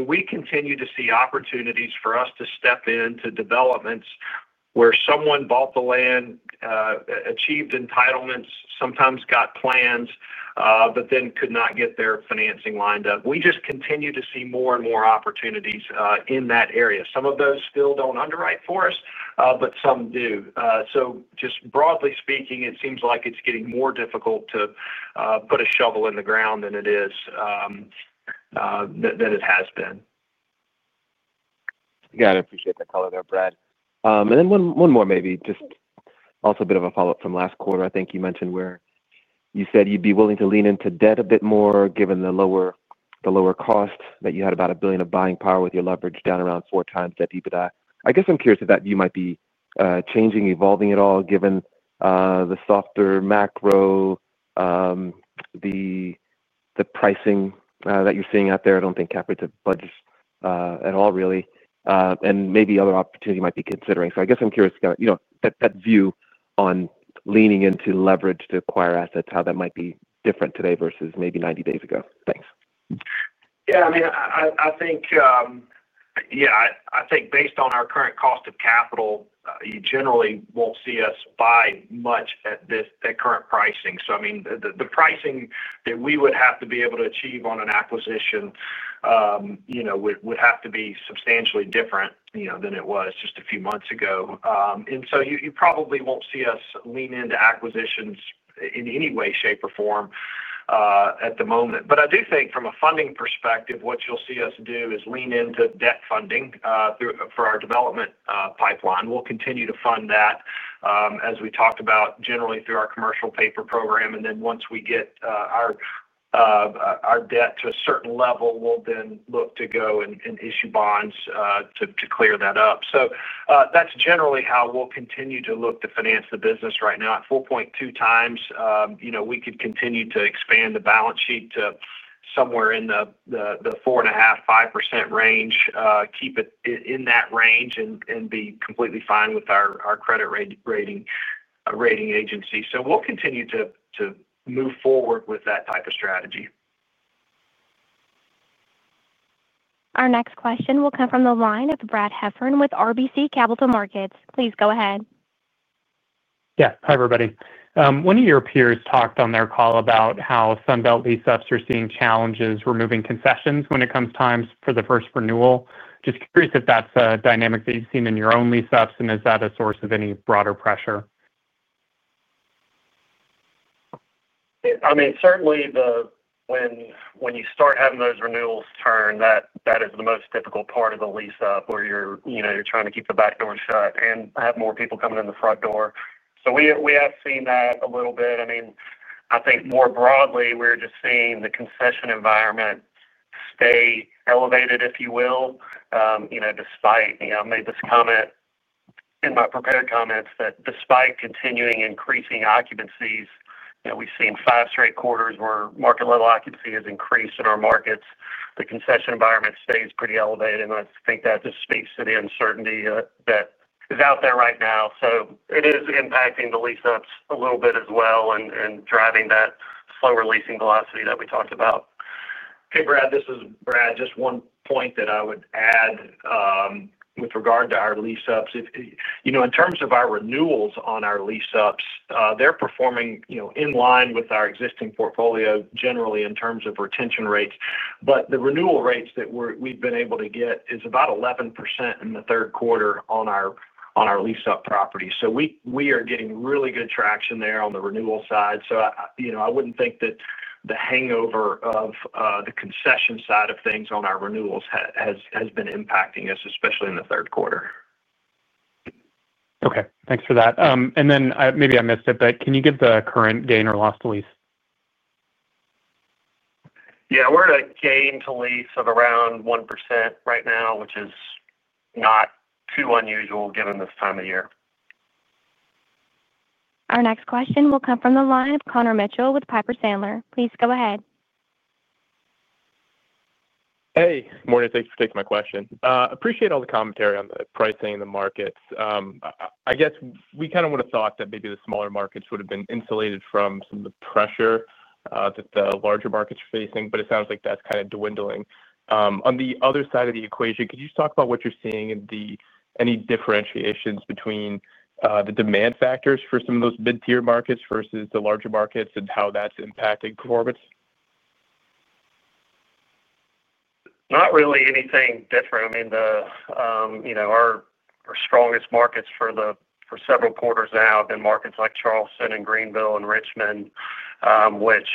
we continue to see opportunities for us to step into developments where someone bought the land, achieved entitlements, sometimes got plans but then could not get their financing lined up. We just continue to see more and more opportunities in that area. Some of those still don't underwrite for us, but some do. Broadly speaking, it seems like it's getting more difficult to put a shovel in the ground than it has been. Yeah, I appreciate the color there, Brad. One more, maybe just also a bit of a follow up from last quarter. I think you mentioned where you said you'd be willing to lean into debt a bit more given the lower cost, that you had about $1 billion of buying power with your leverage down around four times that EBITDA. I'm curious if that might be changing or evolving at all given the softer macro, the pricing that you're seeing out there. I don't think cap rates have budged at all really, and maybe other opportunities might be considered. I'm curious, that view on leaning into leverage to acquire assets, how that might be different today versus maybe 90 days ago. Thanks. I think based on our current cost of capital, you generally won't see us buy much at this current pricing. The pricing that we would have to be able to achieve on an acquisition would have to be substantially different than it was just a few months ago. You probably won't see us lean into acquisitions in any way, shape, or form at the moment. I do think from a funding perspective, what you'll see us do is lean into debt funding for our development pipeline. We'll continue to fund that as we talked about, generally through our commercial paper program. Once we get our debt to a certain level, we'll then look to go and issue bonds to clear that up. That's generally how we'll continue to look to finance the business. Right now at 4.2 times, we could continue to expand the balance sheet to somewhere in the 4.5%, 5% range, keep it in that range, and be completely fine with our credit rating agency. We'll continue to move forward with that type of strategy. Our next question will come from the line of Brad Heffern with RBC Capital Markets. Please go ahead. Yeah. Hi everybody. One of your peers talked on their call about how Sunbelt lease-ups are seeing challenges removing concessions when it comes time for the first renewal. Just curious if that's a dynamic that you've seen in your own lease-ups and is that a source of any broader pressure? I mean, certainly when you start having those renewals turn, that is the most difficult part of the lease-up, where you're trying to keep the back door shut and have more people coming in the front door. We have seen that a little bit. I think more broadly we're just seeing the concession environment stay elevated, if you will, despite continuing increasing occupancy. I made this comment in my prepared comments that despite continuing increasing occupancy, we've seen five straight quarters where market level occupancy has increased in our markets. The concession environment stays pretty elevated and I think that just speaks to the uncertainty that is out there right now. It is impacting the lease-ups a little bit as well and driving that slower leasing velocity that we talked about. Hey, Brad, this is Brad. Just one point that I would add with regard to our lease-ups, in terms of our renewals on our lease-ups, they're performing in line with our existing portfolio generally in terms of retention rates. The renewal rates that we've been able to get is about 11% in the third quarter on our lease-up property. We are getting really good traction there on the renewal side. I wouldn't think that the hangover of the concession side of things on our renewals has been impacting us, especially in the third quarter. Okay, thanks for that. Maybe I missed it, but can you give the current gain or loss to lease? Yeah, we're at a gain to lease of around 1% right now, which is not too unusual given this time of year. Our next question will come from the line of Connor Mitchell with Piper Sandler. Please go ahead. Hey, morning. Thanks for taking my question. Appreciate all the commentary on the pricing in the markets. I guess we kind of would have thought that maybe the smaller markets would have been insulated from some of the pressure that the larger markets are facing, but it sounds like that's kind of dwindling on the other side of the equation. Could you just talk about what you're seeing in the, any differentiations between the demand factors for some of those mid tier markets versus the larger markets and how that's impacting performance? Not really anything different. I mean, our strongest markets for several quarters now have been markets like Charleston and Greenville and Richmond, which,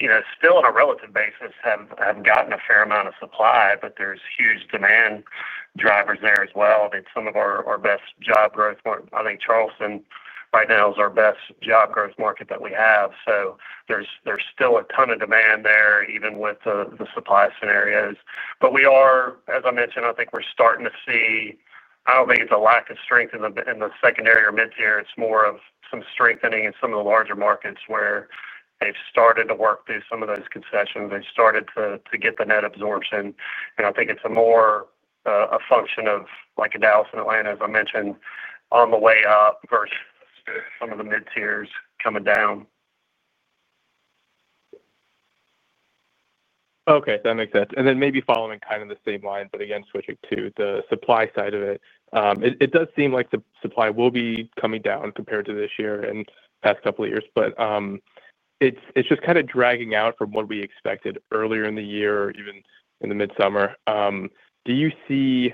you know, still on a relative basis have gotten a fair amount of supply. There's huge demand drivers there as well. Some of our best job growth, I think Charleston right now is our best job growth market that we have. There's still a ton of demand there even with the supply scenarios. We are, as I mentioned, I think we're starting to see, I don't think it's a lack of strength in the secondary or mid tier. It's more of some strengthening in some of the larger markets where they've started to work through some of those concessions. They started to get the net absorption and I think it's more a function of like a Dallas and Atlanta as I mentioned on the way up versus some of the mid tiers coming down. Okay, that makes sense. Maybe following kind of the same line but again switching to the supply side, it does seem like the supply will be coming down compared to this year and past couple of years, but it's just kind of dragging out from what we expected earlier in the year. Even in the mid summer. Do you see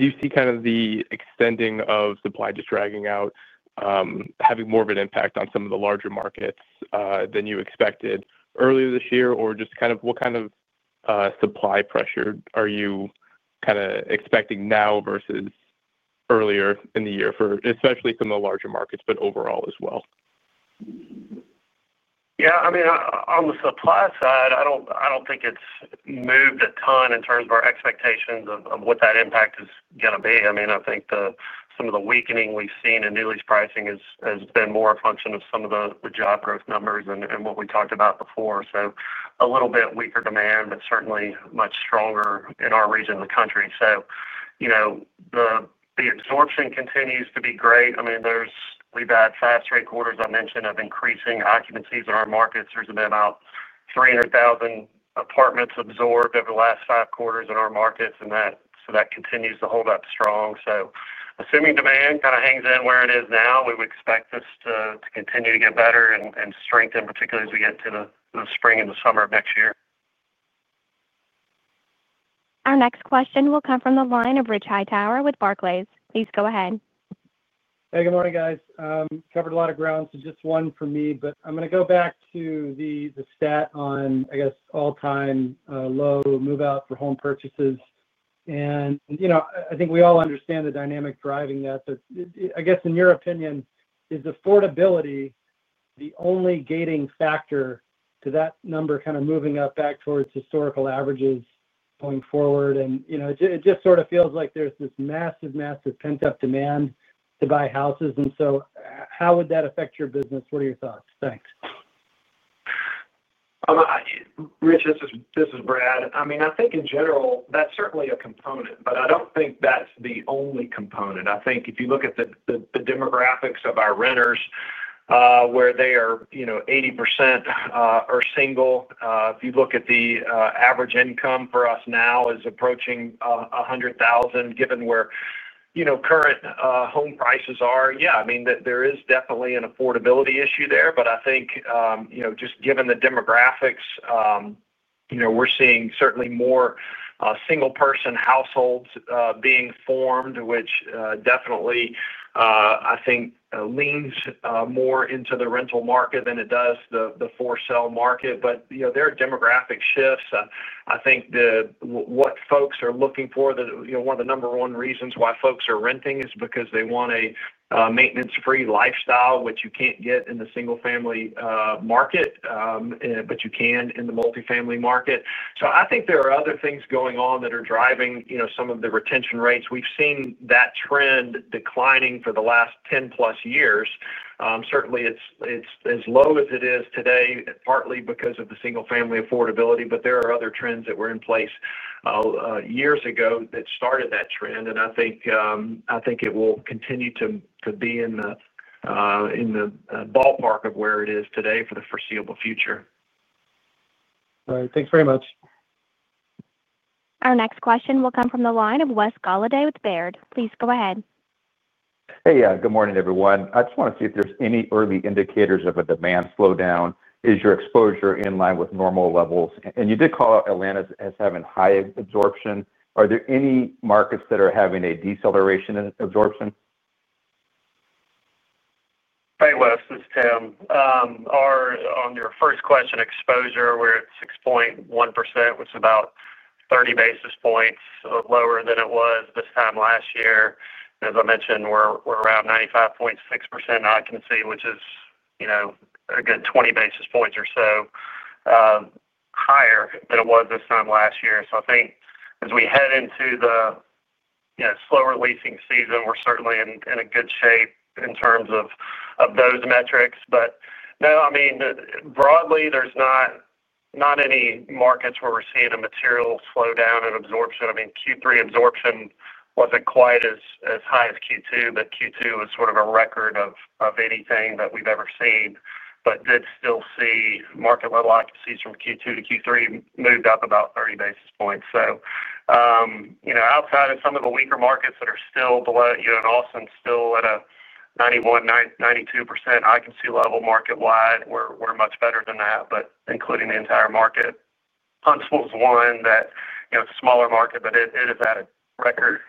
kind of the extending of supply just dragging out having more of an impact on some of the larger markets than you expected earlier this year or just kind of what kind of supply pressure are you kind of expecting now versus earlier in the year, especially from the larger markets but overall as well? Yeah, I mean on the supply side I don't think it's moved a ton in terms of our expectations of what that impact is going to be. I think some of the weakening we've seen in new lease pricing has been more a function of some of the job growth numbers and what we talked about before. A little bit weaker demand but certainly much stronger in our region of the country. The absorption continues to be great. We've had the last three or four quarters I mentioned of increasing occupancies in our markets. There's been about 300,000 apartments absorbed over the last five quarters in our markets, and that continues to hold up strong. Assuming demand kind of hangs in where it is now, we would expect this to continue to get better and strengthen particularly as we get to the spring and the summer of next year. Our next question will come from the line of Rich Hightower with Barclays. Please go ahead. Hey, good morning guys. Covered a lot of ground so just one for me, but I'm going to go back to the stat on, I guess, all-time low move out for home purchases and, you know, I think we all understand the dynamic driving that. I guess in your opinion, is affordability the only gating factor to that number kind of moving up back towards historical averages going forward? It just sort of feels like there's this massive, massive pent up demand to buy houses, and so how would that affect your business? What are your thoughts? Thanks. Rich, this is Brad. I mean, I think in general that's certainly a component, but I don't think that's the only component. I think if you look at the demographics of our renters, where they are, you know, 80% are single. If you look at the average income for us now, it is approaching $100,000 given where, you know, current home prices are. Yeah, I mean, there is definitely an affordability issue there. I think, you know, just given the demographics, we're seeing certainly more single-person households being formed, which definitely, I think, leans more into the rental market than it does the for-sale market. There are demographic shifts. I think what folks are looking for, you know, one of the number one reasons why folks are renting is because they want a maintenance-free lifestyle, which you can't get in the single-family market, but you can in the most multifamily market. I think there are other things going on that are driving some of the retention rates. We've seen that trend declining for the last 10+ years. Certainly, it's as low as it is today, partly because of the single-family affordability, but there are other trends that were in place years ago that started that trend. I think it will continue to be in the ballpark of where it is today for the foreseeable future. All right, thanks very much. Our next question will come from the line of Wes Golladay with Baird. Please go ahead. Hey, good morning everyone. I just want to see if there's any early indicators of a demand slowdown. Is your exposure in line with normal levels? You did call out Atlanta as having high absorption. Are there any markets that are having a deceleration in absorption? Hey Wes, this is Tim. On your first question, exposure, we're at 6.1%, which is about 30 basis points lower than it was this time last year. As I mentioned, we're around 95.6% occupancy, which is a good 20 basis points or so higher than it was this time last year. I think as we head into the slower leasing season, we're certainly in good shape in terms of those metrics. No, broadly, there's not any markets where we're seeing a material slowdown in absorption, Q3 absorption wasn't quite as high as Q2, but Q2 is sort of a record of anything that we've ever seen. We did still see market level occupancies from Q2 to Q3 moved up about 30 basis points. Outside of some of the weaker markets that are still below, Austin still at a 91%, 92% kind of level market wide, where we're much better than that. Including the entire market, Huntsville is one that, it's a smaller market, but it is at a record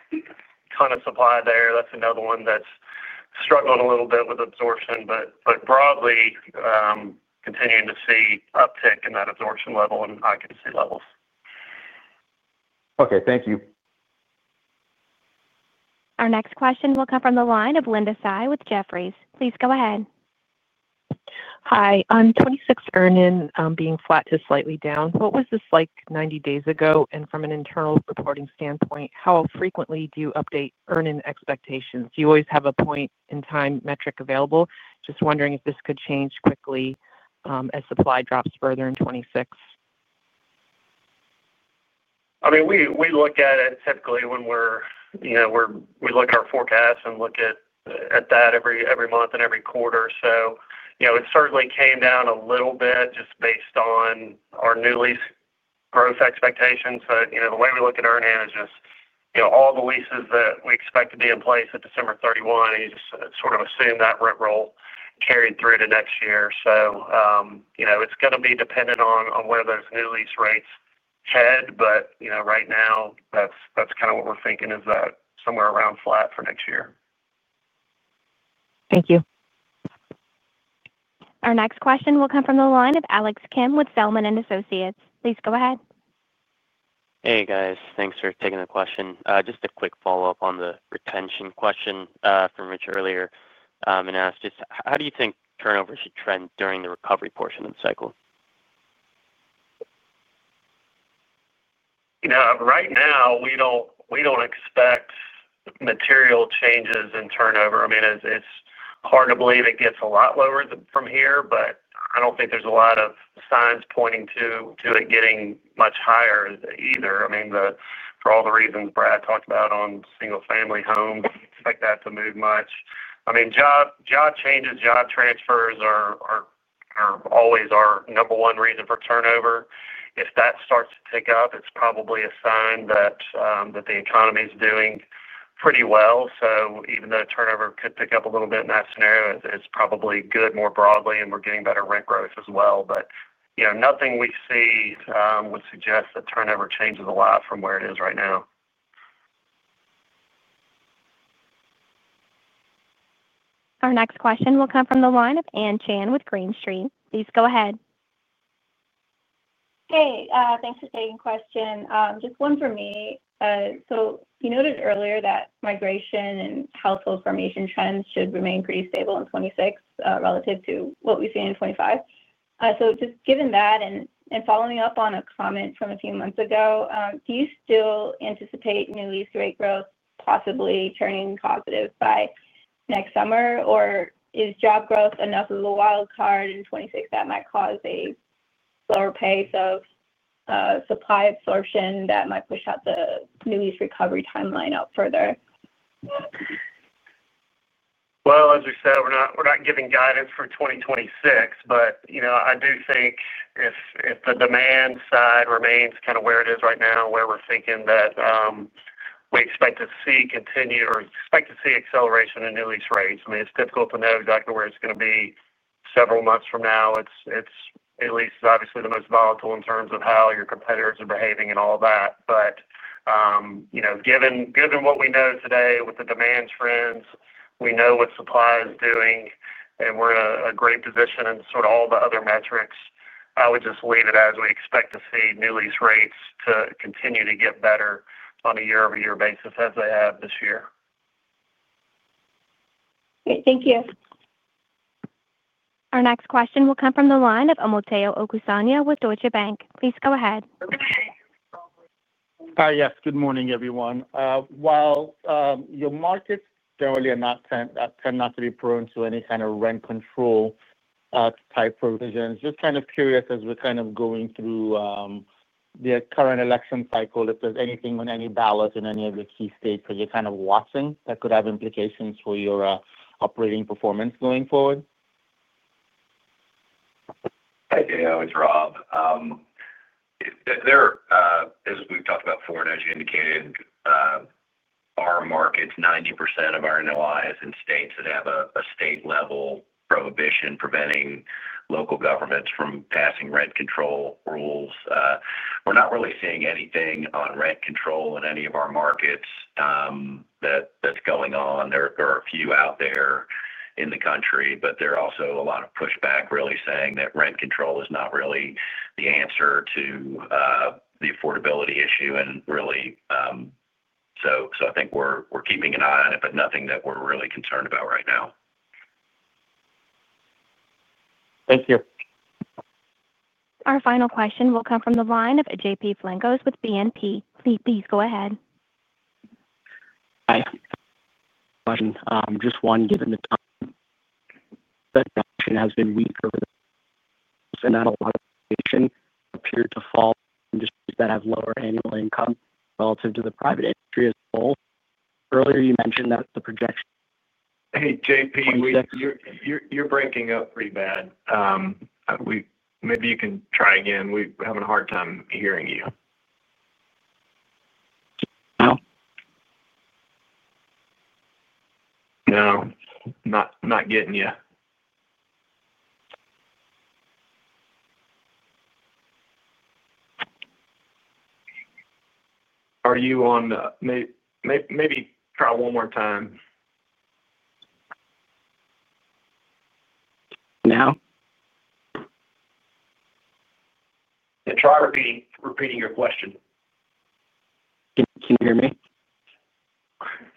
ton of supply there. That's another one that's struggling a little bit with absorption, but broadly continuing to see uptick in that absorption level and occupancy levels. Okay, thank you. Our next question will come from the line of Linda Tsai with Jefferies. Please go ahead. Hi, I'm [26] earn-ins being flat to slightly down. What was this like 90 days ago? From an internal reporting standpoint, how frequently do you update earn-in expectations? You always have a point-in-time metric available. Just wondering if this could change quickly as supply drops further in 2026. We look at it typically when we look at our forecast and look at that every month and every quarter. It certainly came down a little bit just based on our new lease growth expectations. The way we look at earn-ins is just all the leases that we expect to be in place at December 31st sort of assume that rent roll carried through to next year. It is going to be dependent on where those new lease rates head. Right now that's kind of what we're thinking is that somewhere around flat for next year. Thank you. Our next question will come from the line of Alex Kim with BMO Capital Markets. Please go ahead. Hey guys, thanks for taking the question. Just a quick follow up on the retention question from Rich earlier and asked how do you think turnover should trend during the recovery portion of the cycle? Right now we don't expect material changes in turnover. I mean, it's hard to believe it gets a lot lower from here, but I don't think there's a lot of signs pointing to it getting much higher either. I mean for all the reasons Brad talked about on single family homes, like that to move much, I mean job changes, job transfers are always our number one reason for turnover. If that starts to pick up, it's probably a sign that the economy is doing pretty well. Even though turnover could pick up a little bit in that scenario, it's probably good more broad and we're getting better rent growth as well. Nothing we see would suggest that turnover changes a lot from where it is right now. Our next question will come from the line of Ann Chan with Green Street. Please go ahead. Hey, thanks for taking the question, just one for me. You noted earlier that migration and household formation trends should remain pretty stable in 2024 relative to what we see in 2025. Given that and following up on a comment from a few months ago, do you still anticipate new lease rate growth possibly turning positive by next summer, or is job growth enough of a wild card in 2026 that might cause a slower pace of supply absorption that might push out the new lease recovery timeline further? As we said, we're not giving guidance for 2026. I do think if the demand side remains kind of where it is right now, where we're thinking that we expect to see continue or expect to see acceleration in new lease rates, it's difficult to know exactly where it's going to be several months from now. It's at least obviously the most volatile in terms of how your competitors are behaving and all that. Given what we know today with the demand trends, we know what supply is doing and we're in a great position in sort of all the other metrics. I would just leave it as we expect to see new lease rates to continue to get better on a year-over-year basis as they have this year. Thank you. Our next question will come from the line of Omotayo Okusanya with Deutsche Bank. Please go ahead. Hi. Yes, good morning everyone. While your markets generally are not, tend not to be prone to any kind of rent control type provisions. Just kind of curious as we're kind of going through the current election cycle, if there's anything on any ballot in any of the key states that you're kind of watching that could have implications for your operating performance going forward. It's Rob there. As we've talked about before and as you indicated, our markets, 90% of our NOI is in states that have a state-level prohibition preventing local governments from passing rent control rules. We're not really seeing anything on rent control in any of our markets that's going on. There are a few out there in the country, but there is also a lot of pushback really saying that rent control is not really the answer to the affordability issue. I think we're keeping an eye on it, but nothing that we're really concerned about right now. Thank you. Our final question will come from the line of [JP] Flankos with BNP. Please go ahead. Hi, just one given the has been weaker appear to fall that have lower annual income relative to the private industry as a whole. Earlier you mentioned that the projection. Hey JP, you're breaking up pretty bad. Maybe you can try again. We're having a hard time hearing you. No, not getting you. Are you on? Maybe try one more time. Now? And try repeating your question. Can you hear me?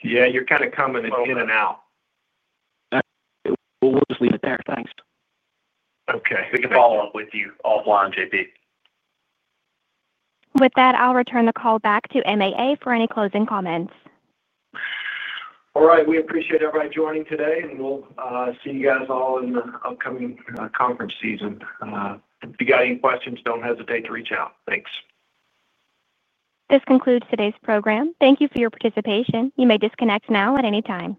Yeah, you're kind of coming in and out. We'll just leave it there. Thanks. Okay, we can follow up with you offline, JP. With that, I'll return the call back to MAA for any closing comments. All right, we appreciate everybody joining today, and we'll see you guys all in the upcoming conference. If you got any questions, don't hesitate to reach out. Thanks. This concludes today's program. Thank you for your participation. You may disconnect now at any time.